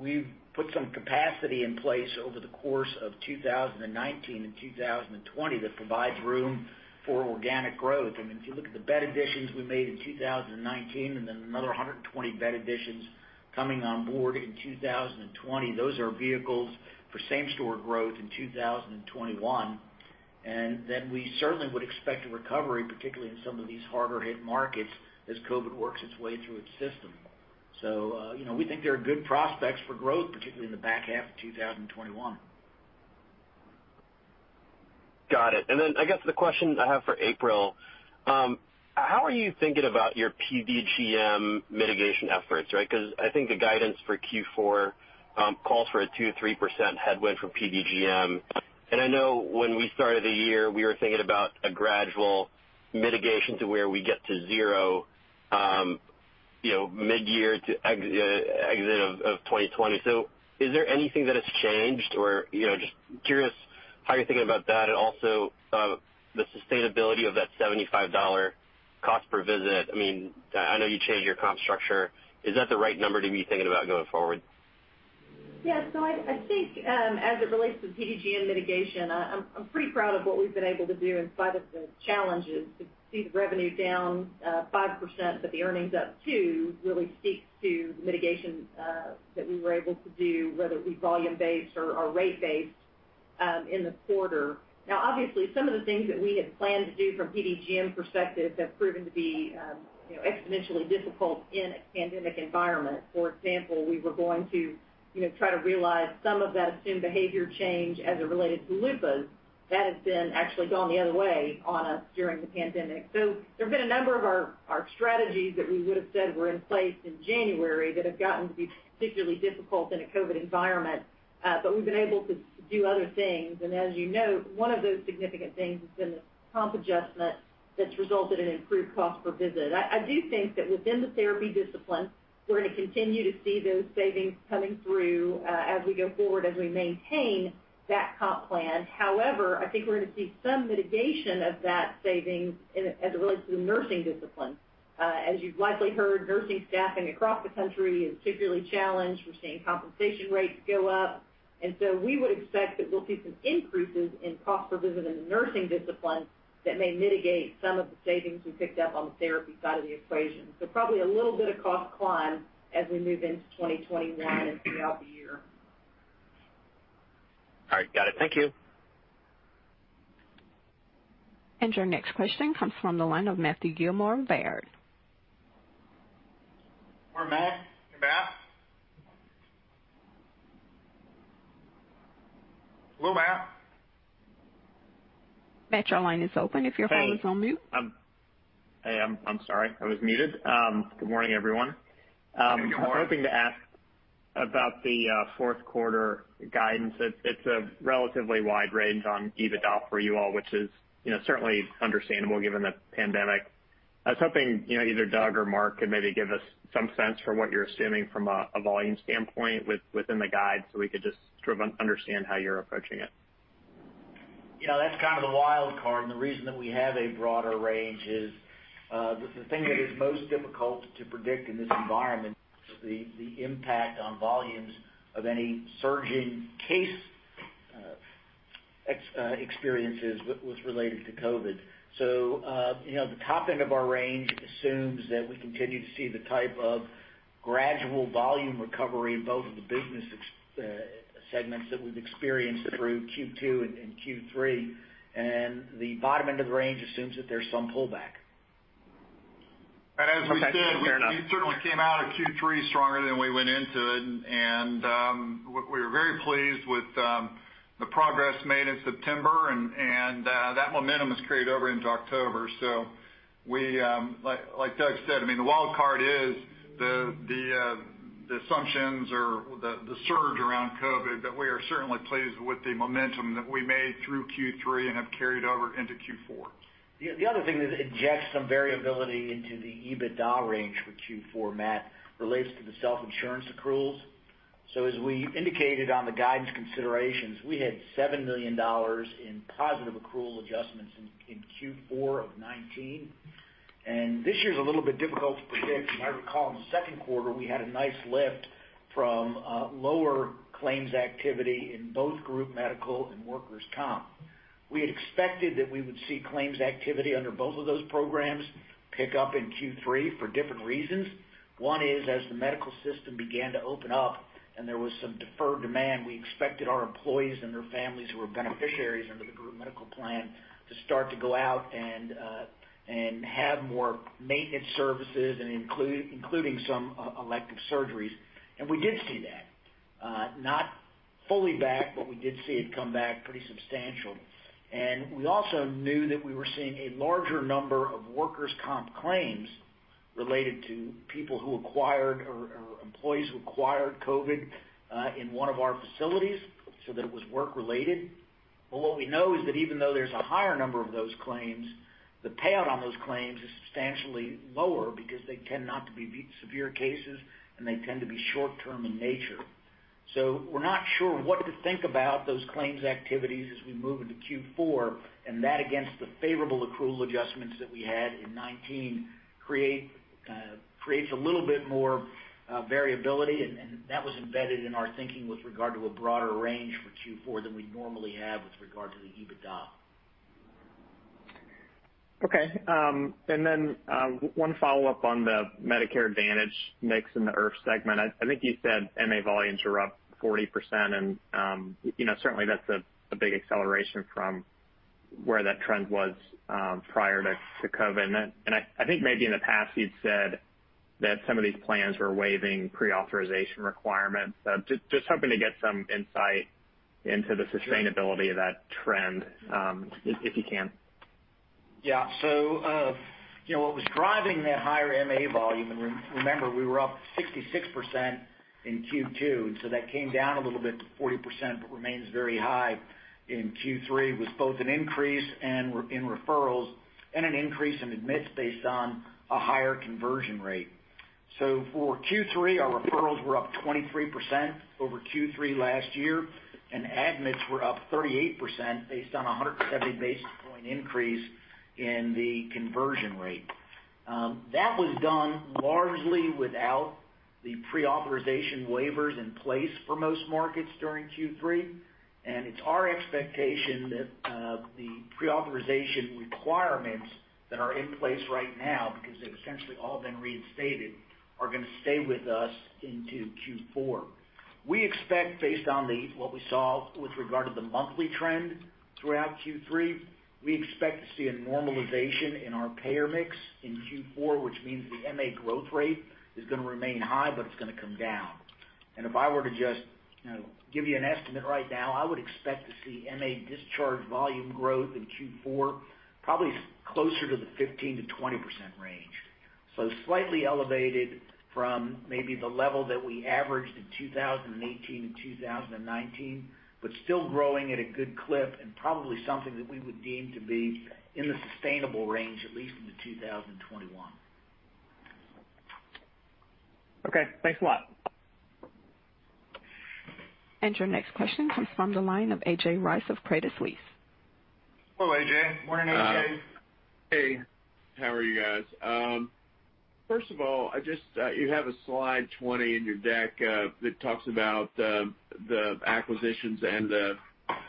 We've put some capacity in place over the course of 2019 and 2020 that provides room for organic growth. If you look at the bed additions we made in 2019, and then another 120 bed additions coming on board in 2020, those are vehicles for same-store growth in 2021. We certainly would expect a recovery, particularly in some of these harder hit markets as COVID-19 works its way through its system. We think there are good prospects for growth, particularly in the back half of 2021. Got it. I guess the question I have for April, how are you thinking about your PDGM mitigation efforts, right? I think the guidance for Q4 calls for a 2%-3% headwind from PDGM. I know when we started the year, we were thinking about a gradual mitigation to where we get to zero mid-year to exit of 2020. Is there anything that has changed or just curious how you're thinking about that and also, the sustainability of that $75 cost per visit. I know you changed your comp structure. Is that the right number to be thinking about going forward? Yeah. I think, as it relates to PDGM mitigation, I'm pretty proud of what we've been able to do in spite of the challenges. To see the revenue down 5%, the earnings up two really speaks to the mitigation that we were able to do, whether it be volume-based or rate-based, in the quarter. Now, obviously, some of the things that we had planned to do from PDGM perspective have proven to be exponentially difficult in a pandemic environment. For example, we were going to try to realize some of that assumed behavior change as it related to LUPA. That has been actually gone the other way on us during the pandemic. There have been a number of our strategies that we would've said were in place in January that have gotten to be particularly difficult in a COVID environment. We've been able to do other things. As you know, one of those significant things has been the comp adjustment that's resulted in improved cost per visit. I do think that within the therapy discipline, we're going to continue to see those savings coming through as we go forward, as we maintain that comp plan. I think we're going to see some mitigation of that savings as it relates to the nursing discipline. As you've likely heard, nursing staffing across the country is particularly challenged. We're seeing compensation rates go up, and so we would expect that we'll see some increases in cost per visit in the nursing discipline that may mitigate some of the savings we picked up on the therapy side of the equation. Probably a little bit of cost climb as we move into 2021 and throughout the year. All right. Got it. Thank you. Your next question comes from the line of Matthew Gillmor of Baird. Morning, Matt. Hey, Matt. Hello, Matt. Matt, your line is open if your phone is on mute. Hey. I'm sorry. I was muted. Good morning, everyone. Good morning. I was hoping to ask about the fourth quarter guidance. It's a relatively wide range on EBITDA for you all, which is certainly understandable given the pandemic. I was hoping, either Doug or Mark could maybe give us some sense for what you're assuming from a volume standpoint within the guide, so we could just understand how you're approaching it. That's kind of the wild card, and the reason that we have a broader range is, the thing that is most difficult to predict in this environment is the impact on volumes of any surge in case experiences with what's related to COVID. The top end of our range assumes that we continue to see the type of gradual volume recovery in both of the business segments that we've experienced through Q2 and Q3. The bottom end of the range assumes that there's some pullback. And as we said- Okay. Fair enough. we certainly came out of Q3 stronger than we went into it, and we're very pleased with the progress made in September and that momentum has carried over into October. Like Doug Coltharp said, the wild card is the assumptions or the surge around COVID, but we are certainly pleased with the momentum that we made through Q3 and have carried over into Q4. The other thing that injects some variability into the EBITDA range for Q4, Matt, relates to the self-insurance accruals. As we indicated on the guidance considerations, we had $7 million in positive accrual adjustments in Q4 of 2019, and this year's a little bit difficult to predict. I recall in the second quarter, we had a nice lift from lower claims activity in both group medical and workers' comp. We had expected that we would see claims activity under both of those programs pick up in Q3 for different reasons. One is, as the medical system began to open up and there was some deferred demand, we expected our employees and their families who are beneficiaries under the group medical plan to start to go out and have more maintenance services, including some elective surgeries. We did see that. Not fully back, but we did see it come back pretty substantial. We also knew that we were seeing a larger number of workers' comp claims related to employees who acquired COVID in one of our facilities, so that it was work-related. What we know is that even though there's a higher number of those claims, the payout on those claims is substantially lower because they tend not to be severe cases, and they tend to be short-term in nature. We're not sure what to think about those claims activities as we move into Q4, and that against the favorable accrual adjustments that we had in 2019, creates a little bit more variability. That was embedded in our thinking with regard to a broader range for Q4 than we normally have with regard to the EBITDA. Okay. One follow-up on the Medicare Advantage mix in the IRF segment. I think you said MA volumes are up 40%, Certainly that's a big acceleration from where that trend was prior to COVID. I think maybe in the past you'd said that some of these plans were waiving pre-authorization requirements. Just hoping to get some insight into the sustainability of that trend, if you can. Yeah. What was driving that higher MA volume, and remember, we were up 66% in Q2, that came down a little bit to 40%, but remains very high in Q3, was both an increase in referrals and an increase in admits based on a higher conversion rate. For Q3, our referrals were up 23% over Q3 last year, and admits were up 38% based on 170 basis points increase in the conversion rate. That was done largely without the pre-authorization waivers in place for most markets during Q3. It's our expectation that the pre-authorization requirements that are in place right now, because they've essentially all been reinstated, are going to stay with us into Q4. Based on what we saw with regard to the monthly trend throughout Q3, we expect to see a normalization in our payer mix in Q4, which means the MA growth rate is going to remain high, but it's going to come down. If I were to just give you an estimate right now, I would expect to see MA discharge volume growth in Q4 probably closer to the 15%-20% range. Slightly elevated from maybe the level that we averaged in 2018 and 2019, but still growing at a good clip and probably something that we would deem to be in the sustainable range, at least into 2021. Okay, thanks a lot. Your next question comes from the line of A.J. Rice of Credit Suisse. Hello, A.J. Morning, A.J. Hey, how are you guys? First of all, you have a slide 20 in your deck that talks about the acquisitions and the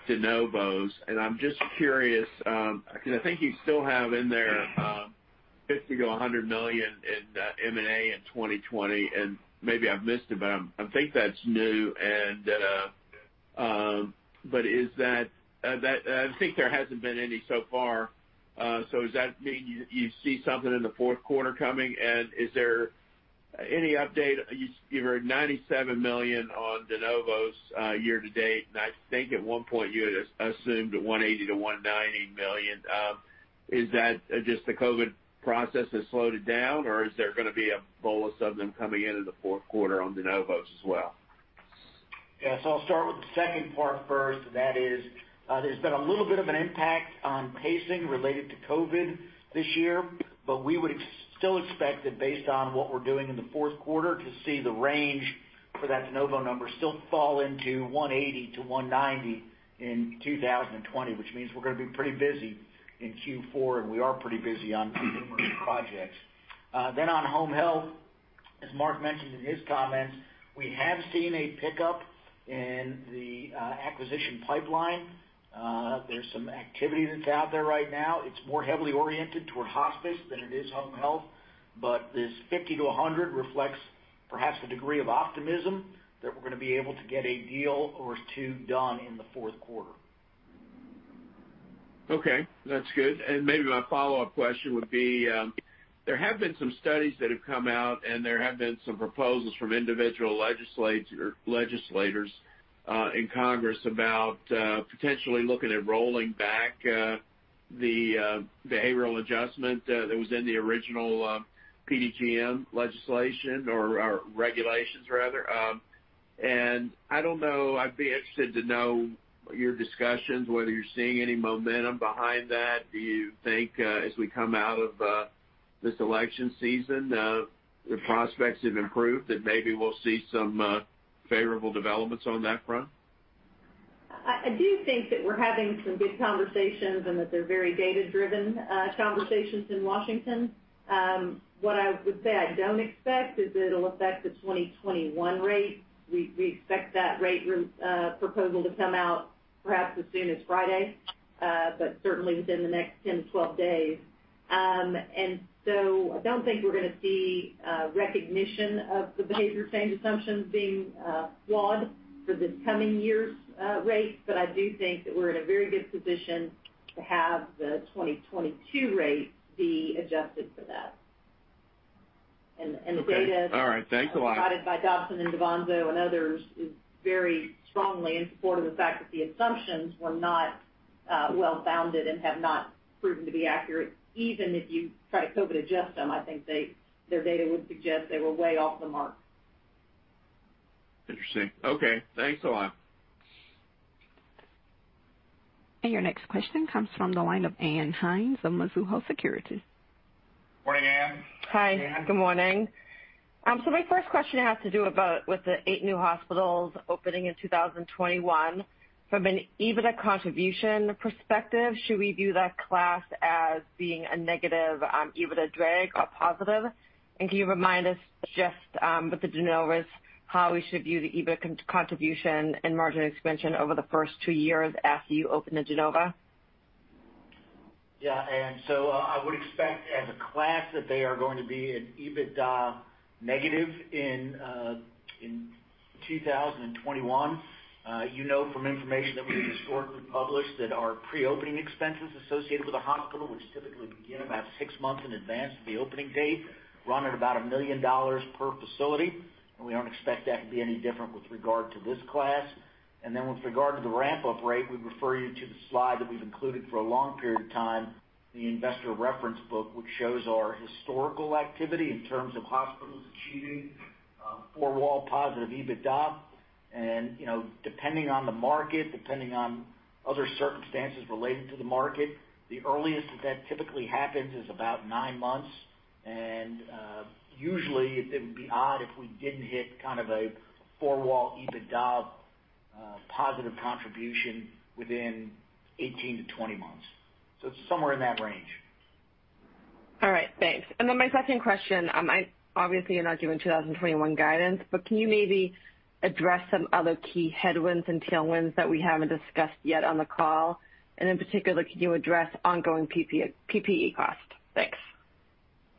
de novos. I'm just curious, because I think you still have in there $50 million-$100 million in M&A in 2020, and maybe I've missed it, but I think that's new. I think there hasn't been any so far. Does that mean you see something in the fourth quarter coming? Is there any update? You were at $97 million on de novos year to date. I think at one point you had assumed $180 million-$190 million. Is that just the COVID process has slowed it down, or is there going to be a bolus of them coming in in the fourth quarter on de novos as well? Yeah. I'll start with the second part first. That is, there's been a little bit of an impact on pacing related to COVID-19 this year, but we would still expect that based on what we're doing in the fourth quarter to see the range for that de novos number still fall into 180-190 in 2020, which means we're going to be pretty busy in Q4, and we are pretty busy on numerous projects. On home health, as Mark mentioned in his comments, we have seen a pickup in the acquisition pipeline. There's some activity that's out there right now. It's more heavily oriented toward hospice than it is home health. This 50-100 reflects perhaps a degree of optimism that we're going to be able to get a deal or two done in the fourth quarter. Okay, that's good. Maybe my follow-up question would be, there have been some studies that have come out, and there have been some proposals from individual legislators in Congress about potentially looking at rolling back the behavioral adjustment that was in the original PDGM legislation, or regulations rather. I don't know, I'd be interested to know your discussions, whether you're seeing any momentum behind that. Do you think as we come out of this election season, the prospects have improved that maybe we'll see some favorable developments on that front? I do think that we're having some good conversations and that they're very data-driven conversations in Washington. What I would say I don't expect is it'll affect the 2021 rate. We expect that rate proposal to come out perhaps as soon as Friday, but certainly within the next 10-12 days. I don't think we're going to see recognition of the behavior change assumptions being flawed for this coming year's rate. I do think that we're in a very good position to have the 2022 rate be adjusted for that. Okay. All right. Thanks a lot. The data provided by Dobson and DaVanzo and others is very strongly in support of the fact that the assumptions were not well-founded and have not proven to be accurate. Even if you try to COVID adjust them, I think their data would suggest they were way off the mark. Interesting. Okay. Thanks a lot. Your next question comes from the line of Ann Hynes of Mizuho Securities. Morning, Ann. Hi. Good morning. My first question has to do with the eight new hospitals opening in 2021. From an EBITDA contribution perspective, should we view that class as being a negative EBITDA drag or positive? Can you remind us just, with the de novos, how we should view the EBITDA contribution and margin expansion over the first two years after you open the de novo? Yeah. I would expect as a class that they are going to be an EBITDA negative in 2021. You know from information that we historically published that our pre-opening expenses associated with a hospital, which typically begin about six months in advance of the opening date, run at about $1 million per facility. We don't expect that to be any different with regard to this class. With regard to the ramp-up rate, we refer you to the slide that we've included for a long period of time in the investor reference book, which shows our historical activity in terms of hospitals achieving four-wall positive EBITDA. Depending on the market, depending on other circumstances related to the market, the earliest that that typically happens is about nine months. Usually, it would be odd if we didn't hit kind of a four-wall EBITDA positive contribution within 18-20 months. Somewhere in that range. All right. Thanks. My second question, obviously you're not giving 2021 guidance, but can you maybe address some other key headwinds and tailwinds that we haven't discussed yet on the call? In particular, can you address ongoing PPE cost? Thanks.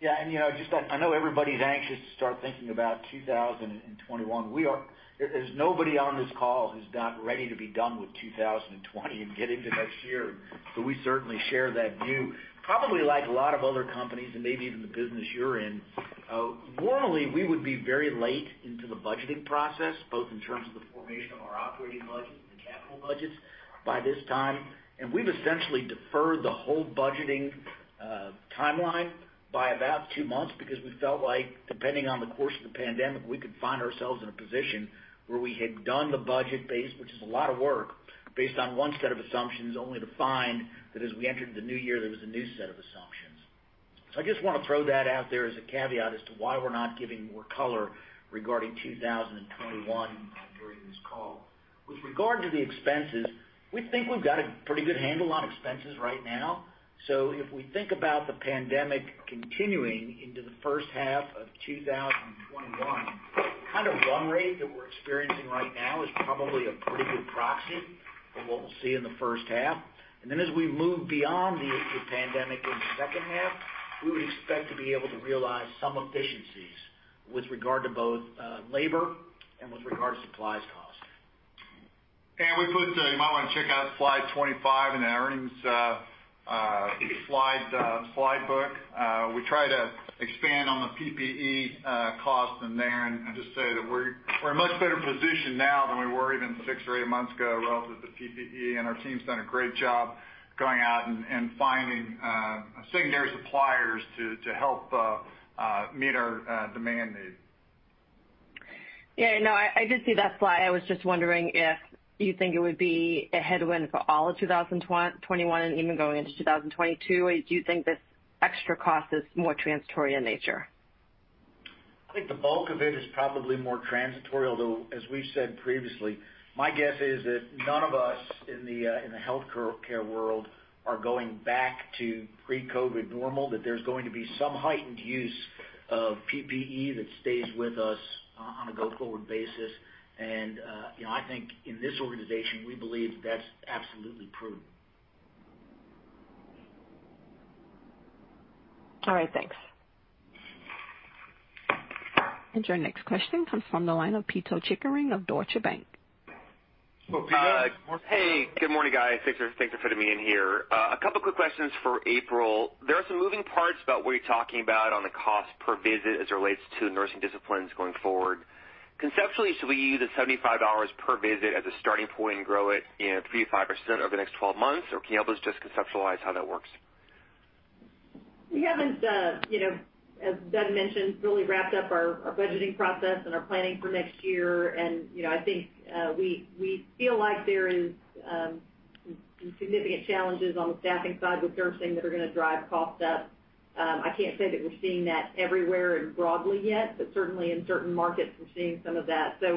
Yeah, Ann, I know everybody's anxious to start thinking about 2021. There's nobody on this call who's not ready to be done with 2020 and get into next year, so we certainly share that view. Probably like a lot of other companies, and maybe even the business you're in, normally, we would be very late into the budgeting process, both in terms of the formation of our operating budget and capital budgets by this time. We've essentially deferred the whole budgeting timeline by about two months because we felt like depending on the course of the pandemic, we could find ourselves in a position where we had done the budget base, which is a lot of work, based on one set of assumptions, only to find that as we entered the new year, there was a new set of assumptions. I just want to throw that out there as a caveat as to why we're not giving more color regarding 2021 during this call. With regard to the expenses, we think we've got a pretty good handle on expenses right now. If we think about the pandemic continuing into the first half of 2021, the kind of run rate that we're experiencing right now is probably a pretty good proxy for what we'll see in the first half. As we move beyond the pandemic in the second half, we would expect to be able to realize some efficiencies with regard to both labor and with regard to supplies cost. Ann, you might want to check out slide 25 in the earnings slide book. We try to expand on the PPE cost in there, and just say that we're in much better position now than we were even six or eight months ago relative to PPE, and our team's done a great job going out and finding secondary suppliers to help meet our demand needs. Yeah, no, I did see that slide. I was just wondering if you think it would be a headwind for all of 2021 and even going into 2022. Do you think this extra cost is more transitory in nature? I think the bulk of it is probably more transitory, although, as we've said previously, my guess is that none of us in the healthcare world are going back to pre-COVID normal, that there's going to be some heightened use of PPE that stays with us on a go-forward basis. I think in this organization, we believe that's absolutely prudent. All right. Thanks. Your next question comes from the line of Pito Chickering of Deutsche Bank. So Pito Hey, good morning, guys. Thanks for fitting me in here. A couple quick questions for April. There are some moving parts about what you're talking about on the cost per visit as it relates to nursing disciplines going forward. Conceptually, should we use the $75 per visit as a starting point and grow it in 3%-5% over the next 12 months, or can you help us just conceptualize how that works? We haven't, as Doug mentioned, really wrapped up our budgeting process and our planning for next year. I think we feel like there is. Some significant challenges on the staffing side with nursing that are going to drive costs up. I can't say that we're seeing that everywhere and broadly yet, but certainly in certain markets we're seeing some of that. I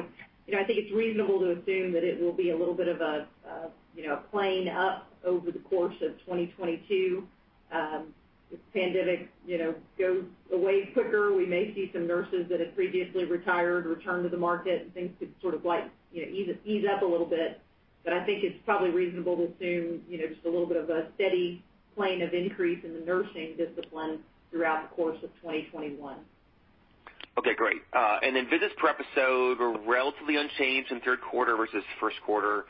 think it's reasonable to assume that it will be a little bit of a plane up over the course of 2022. If the pandemic goes away quicker, we may see some nurses that had previously retired, return to the market, and things could sort of ease up a little bit. I think it's probably reasonable to assume just a little bit of a steady plane of increase in the nursing discipline throughout the course of 2021. Okay, great. Visits per episode were relatively unchanged in third quarter versus first quarter.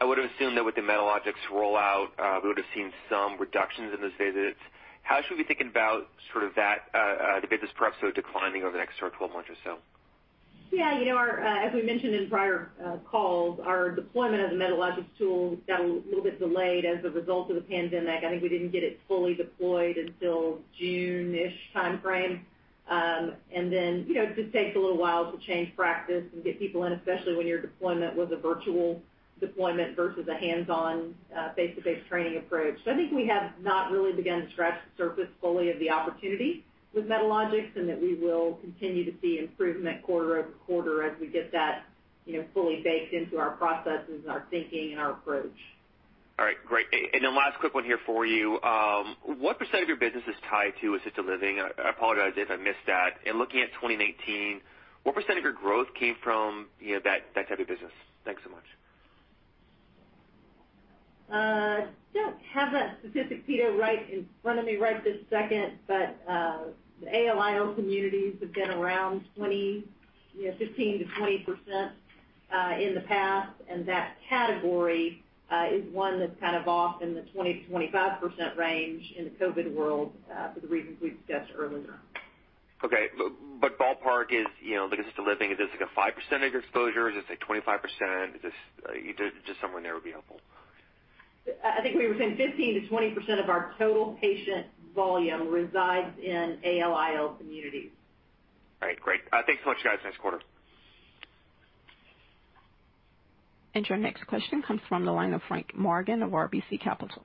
I would've assumed that with the Medalogix rollout, we would've seen some reductions in those visits. How should we be thinking about the visits per episode declining over the next 12 months or so? Yeah. As we mentioned in prior calls, our deployment of the Medalogix tool got a little bit delayed as a result of the pandemic. I think we didn't get it fully deployed until June-ish timeframe. It just takes a little while to change practice and get people in, especially when your deployment was a virtual deployment versus a hands-on, face-to-face training approach. I think we have not really begun to scratch the surface fully of the opportunity with Medalogix, and that we will continue to see improvement quarter-over-quarter as we get that fully baked into our processes and our thinking and our approach. All right, great. Last quick one here for you. What percent of your business is tied to assisted living? I apologize if I missed that. Looking at 2019, what percent of your growth came from that type of business? Thanks so much. Don't have that statistic, Pito, in front of me right this second, but the ALIL communities have been around 15%-20% in the past. That category is one that's off in the 20%-25% range in the COVID world, for the reasons we've discussed earlier on. Okay. Ballpark is, the assisted living, is this like a 5% of your exposure? Is it, say, 25%? Just somewhere in there would be helpful. I think we were saying 15%-20% of our total patient volume resides in ALIL communities. All right, great. Thanks so much, guys. Thanks, quarter. Your next question comes from the line of Frank Morgan of RBC Capital.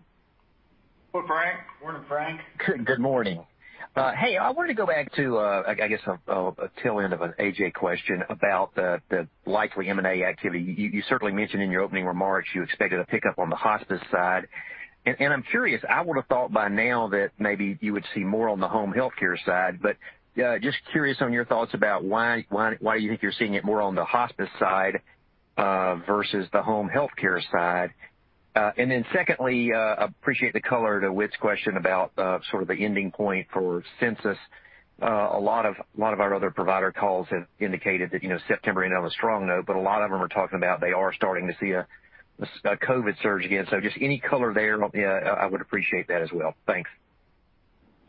Hello, Frank. Morning, Frank. Good morning. Hey, I wanted to go back to, I guess, a tail end of an A.J. question about the likely M&A activity. You certainly mentioned in your opening remarks you expected a pickup on the hospice side. I'm curious, I would've thought by now that maybe you would see more on the Home Healthcare side, but just curious on your thoughts about why you think you're seeing it more on the Hospice side versus the Home Healthcare side. Secondly, appreciate the color to Whit's question about sort of the ending point for census. A lot of our other provider calls have indicated that September ended on a strong note, but a lot of them are talking about they are starting to see a COVID surge again. Just any color there, I would appreciate that as well. Thanks.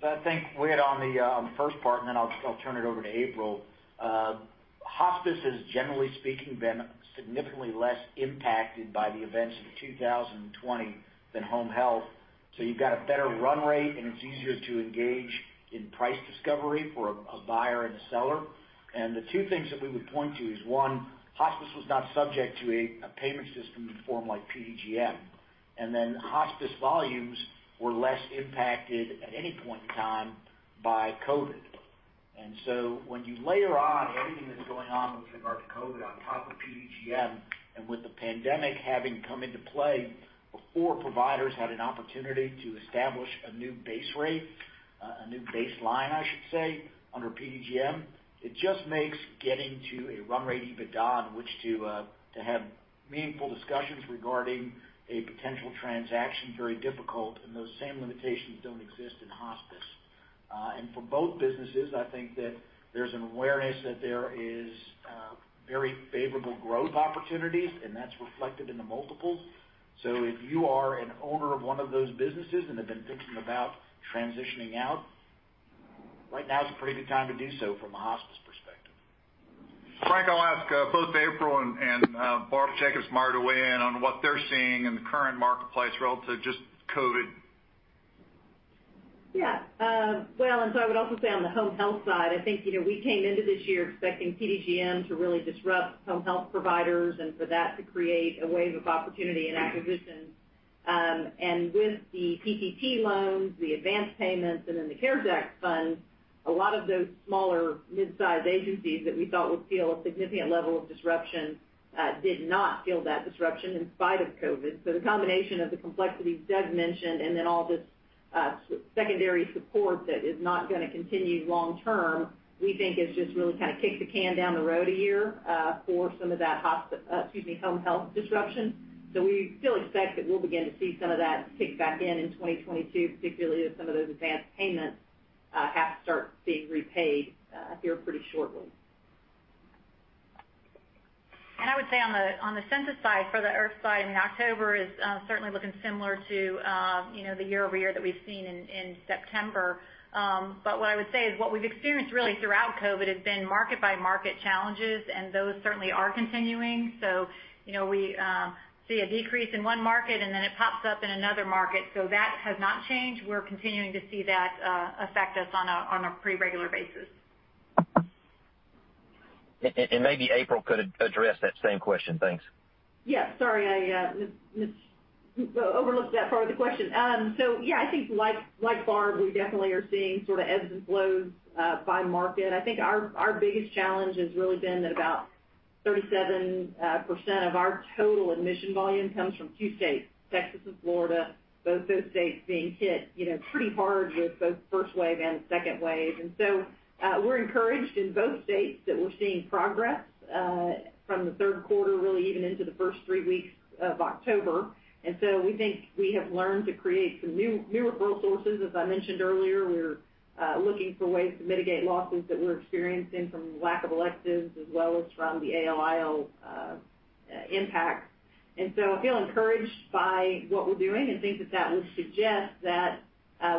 I think, Weigh in on the first part, then I'll turn it over to April. Hospice has, generally speaking, been significantly less impacted by the events of 2020 than Home Health. You've got a better run rate, and it's easier to engage in price discovery for a buyer and a seller. The two things that we would point to is, one, Hospice was not subject to a payment system reform like PDGM, and then hospice volumes were less impacted at any point in time by COVID. When you layer on everything that's going on with regard to COVID on top of PDGM, and with the pandemic having come into play before providers had an opportunity to establish a new base rate, a new baseline, I should say, under PDGM, it just makes getting to a run rate EBITDA in which to have meaningful discussions regarding a potential transaction very difficult, and those same limitations don't exist in Hospice. For both businesses, I think that there's an awareness that there is very favorable growth opportunities, and that's reflected in the multiples. If you are an owner of one of those businesses and have been thinking about transitioning out, right now is a pretty good time to do so from a hospice perspective. Frank, I'll ask both April and Barb Jacobsmeyer to weigh in on what they're seeing in the current marketplace relative to just COVID. Yeah. Well, I would also say on the Home Health side, I think, we came into this year expecting PDGM to really disrupt home health providers and for that to create a wave of opportunity and acquisitions. With the PPP loans, the advance payments, and then the CARES Act funds, a lot of those smaller, midsize agencies that we thought would feel a significant level of disruption, did not feel that disruption in spite of COVID. The combination of the complexities Doug mentioned, and then all this secondary support that is not going to continue long term, we think has just really kind of kicked the can down the road a year for some of that Home Health disruption. We still expect that we'll begin to see some of that kick back in in 2022, particularly as some of those advance payments have to start being repaid here pretty shortly. I would say on the census side, for the IRF side, October is certainly looking similar to the year-over-year that we've seen in September. What I would say is what we've experienced really throughout COVID-19 has been market by market challenges, and those certainly are continuing. We see a decrease in one market and then it pops up in another market. That has not changed. We're continuing to see that affect us on a pretty regular basis. Maybe April could address that same question. Thanks. Yeah, sorry, I overlooked that part of the question. Yeah, I think like Barb, we definitely are seeing sort of ebbs and flows by market. I think our biggest challenge has really been that about 37% of our total admission volume comes from two states, Texas and Florida, both those states being hit pretty hard with both first wave and second wave. We're encouraged in both states that we're seeing progress, from the third quarter really even into the first three weeks of October. We think we have learned to create some new referral sources. As I mentioned earlier, we're looking for ways to mitigate losses that we're experiencing from lack of electives as well as from the ALIL impact. I feel encouraged by what we're doing and think that that would suggest that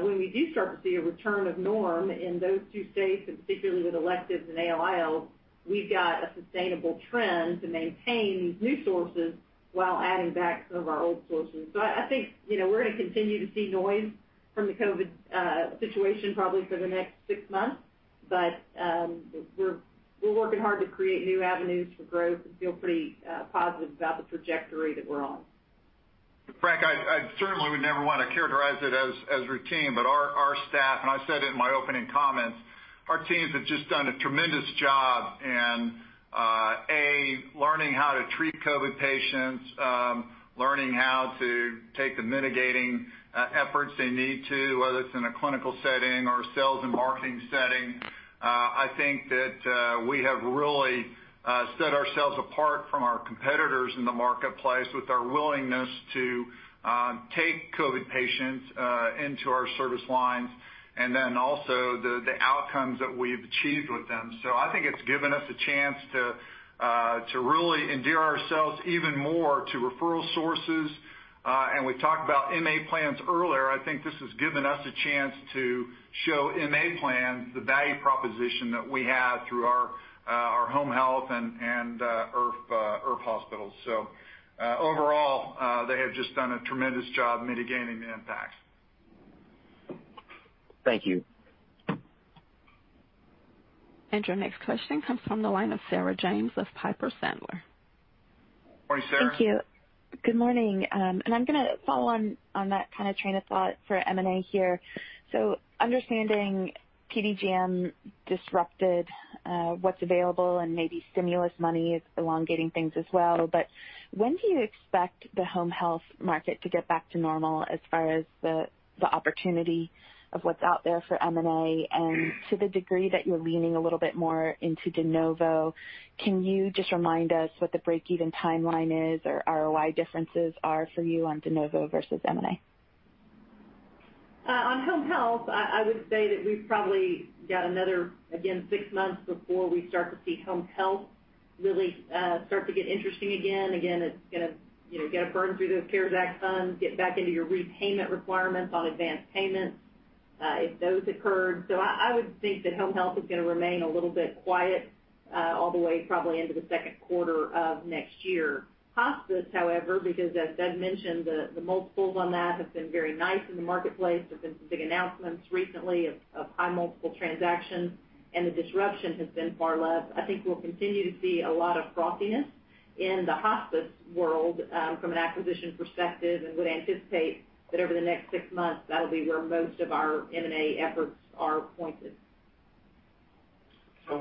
when we do start to see a return of norm in those two states, and particularly with electives and ALIL, we've got a sustainable trend to maintain these new sources while adding back some of our old sources. I think we're going to continue to see noise from the COVID-19 situation probably for the next six months. We're working hard to create new avenues for growth and feel pretty positive about the trajectory that we're on. Frank, I certainly would never want to characterize it as routine, our staff, and I said it in my opening comments, our teams have just done a tremendous job in, A, learning how to treat COVID patients, learning how to take the mitigating efforts they need to, whether it's in a clinical setting or a sales and marketing setting. I think that we have really set ourselves apart from our competitors in the marketplace with our willingness to take COVID patients into our service lines, also the outcomes that we've achieved with them. I think it's given us a chance to really endear ourselves even more to referral sources. We talked about MA plans earlier. I think this has given us a chance to show MA plans the value proposition that we have through our home health and IRF hospitals. Overall, they have just done a tremendous job mitigating the impact. Thank you. Your next question comes from the line of Sarah James of Piper Sandler. Morning, Sarah. Thank you. Good morning. I'm going to follow on that train of thought for M&A here. Understanding PDGM disrupted, what's available and maybe stimulus money is elongating things as well, when do you expect the Home Health market to get back to normal as far as the opportunity of what's out there for M&A? To the degree that you're leaning a little bit more into de novo, can you just remind us what the break-even timeline is or ROI differences are for you on de novo versus M&A? On home health, I would say that we've probably got another, again, six months before we start to see Home Health really start to get interesting again. Again, it's going to get to burn through those CARES Act funds, get back into your repayment requirements on advanced payments, if those occurred. I would think that home health is going to remain a little bit quiet all the way probably into the second quarter of next year. Hospice, however, because as Doug mentioned, the multiples on that have been very nice in the marketplace. There's been some big announcements recently of high multiple transactions, and the disruption has been far less. I think we'll continue to see a lot of frothiness in the Hospice world, from an acquisition perspective, and would anticipate that over the next six months, that'll be where most of our M&A efforts are pointed.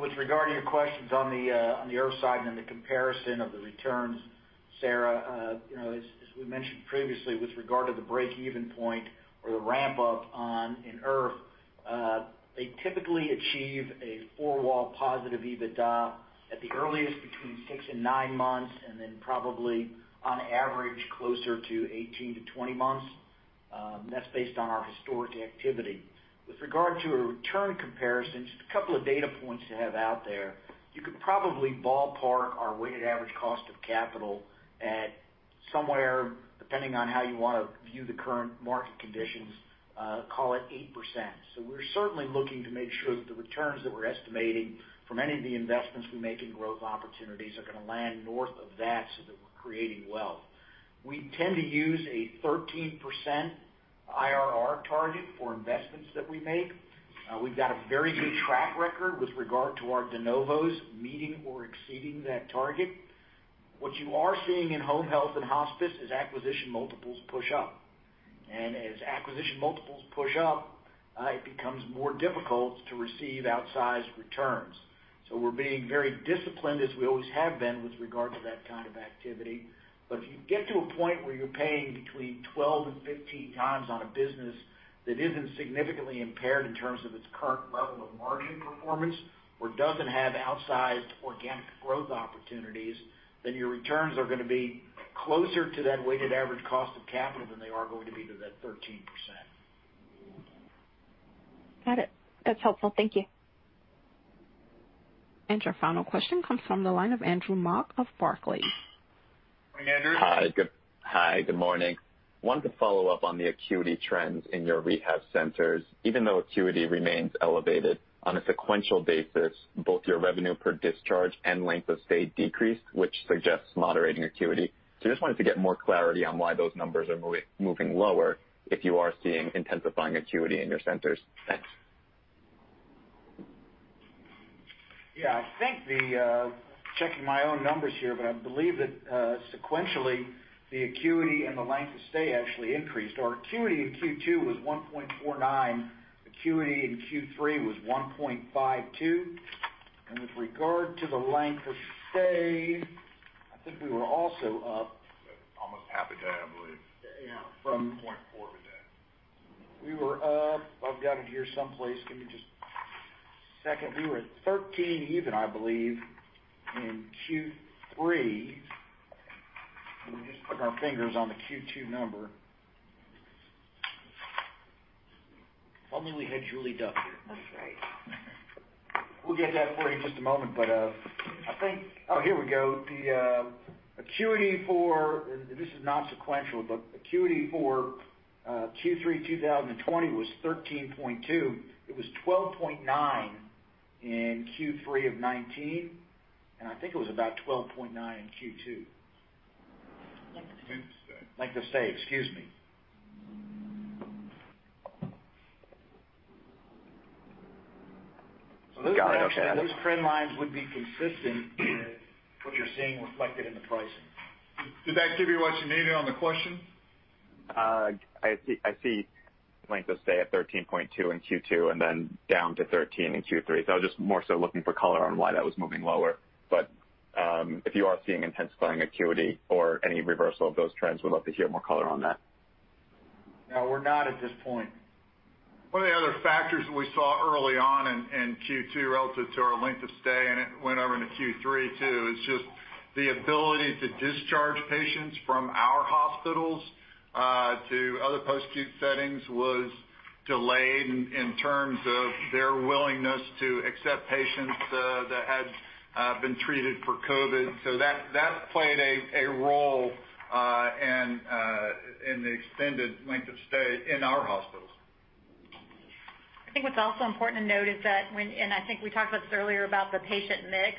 With regard to your questions on the IRF side and then the comparison of the returns, Sarah, as we mentioned previously, with regard to the break-even point or the ramp-up on an IRF, they typically achieve a four-wall positive EBITDA at the earliest between six and nine months, and then probably on average closer to 18-20 months. That's based on our historic activity. With regard to a return comparison, just a couple of data points to have out there. You could probably ballpark our weighted average cost of capital at somewhere, depending on how you want to view the current market conditions, call it 8%. We're certainly looking to make sure that the returns that we're estimating from any of the investments we make in growth opportunities are going to land north of that so that we're creating wealth. We tend to use a 13% IRR target for investments that we make. We've got a very good track record with regard to our de novos meeting or exceeding that target. What you are seeing in Home Health and Hospice is acquisition multiples push up. As acquisition multiples push up, it becomes more difficult to receive outsized returns. We're being very disciplined, as we always have been, with regard to that kind of activity. If you get to a point where you're paying between 12 and 15 times on a business that isn't significantly impaired in terms of its current level of margin performance or doesn't have outsized organic growth opportunities, then your returns are going to be closer to that weighted average cost of capital than they are going to be to that 13%. Got it. That's helpful. Thank you. Your final question comes from the line of Andrew Mok of Barclays. Morning, Andrew. Hi. Good morning. Wanted to follow up on the acuity trends in your rehab centers. Even though acuity remains elevated, on a sequential basis, both your revenue per discharge and length of stay decreased, which suggests moderating acuity. I just wanted to get more clarity on why those numbers are moving lower if you are seeing intensifying acuity in your centers. Thanks. Yeah, I'm checking my own numbers here, but I believe that sequentially, the acuity and the length of stay actually increased. Our acuity in Q2 was 1.49. Acuity in Q3 was 1.52. With regard to the length of stay, I think we were also up. Almost half a day, I believe. Yeah. From 0.4 a day. We were up, I've got it here someplace. Give me just a second. We were 13 even, I believe, in Q3, and we're just putting our fingers on the Q2 number. If only we had [Julie Duff] here. That's right. We'll get that for you in just a moment. Here we go. This is not sequential, but acuity for Q3 2020 was 13.2. It was 12.9 in Q3 of 2019, and I think it was about 12.9 in Q2. Length of stay. Length of stay. Excuse me. Got it. Okay. These trend lines would be consistent with what you're seeing reflected in the pricing. Did that give you what you needed on the question? I see length of stay at 13.2 in Q2, and then down to 13 in Q3. I was just more so looking for color on why that was moving lower. If you are seeing intensifying acuity or any reversal of those trends, would love to hear more color on that. No, we're not at this point. One of the other factors we saw early on in Q2 relative to our length of stay, and it went over into Q3, too, is just the ability to discharge patients from our hospitals, to other post-acute settings was delayed in terms of their willingness to accept patients that had been treated for COVID-19. That played a role in the extended length of stay in our hospitals. I think what's also important to note is that, I think we talked about this earlier, about the patient mix.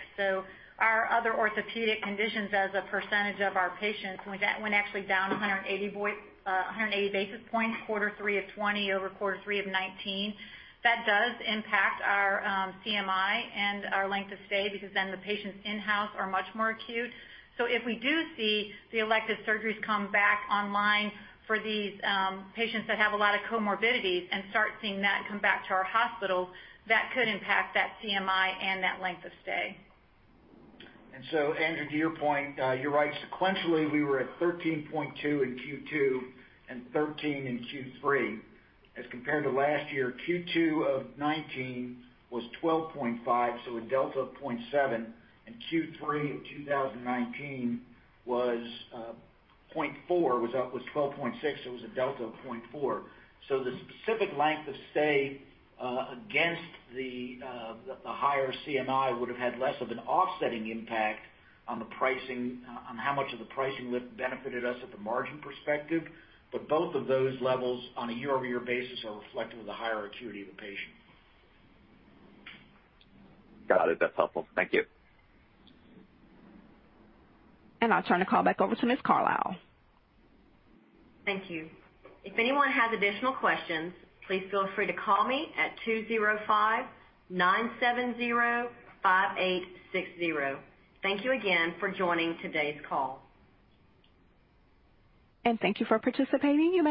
Our other orthopedic conditions as a percentage of our patients, we went actually down 180 basis points Q3 2020 over Q3 2019. That does impact our CMI and our length of stay, because then the patients in-house are much more acute. If we do see the elective surgeries come back online for these patients that have a lot of comorbidities and start seeing that come back to our hospitals, that could impact that CMI and that length of stay. Andrew, to your point, you're right. Sequentially, we were at 13.2 in Q2 and 13 in Q3 as compared to last year. Q2 of 2019 was 12.5, so a delta of 0.7, and Q3 of 2019 was 0.4, was 12.6. It was a delta of 0.4. The specific length of stay against the higher CMI would've had less of an offsetting impact on how much of the pricing lift benefited us at the margin perspective. Both of those levels on a year-over-year basis are reflective of the higher acuity of the patient. Got it. That's helpful. Thank you. I'll turn the call back over to Ms. Carlisle. Thank you. If anyone has additional questions, please feel free to call me at 205-970-5860. Thank you again for joining today's call. Thank you for participating.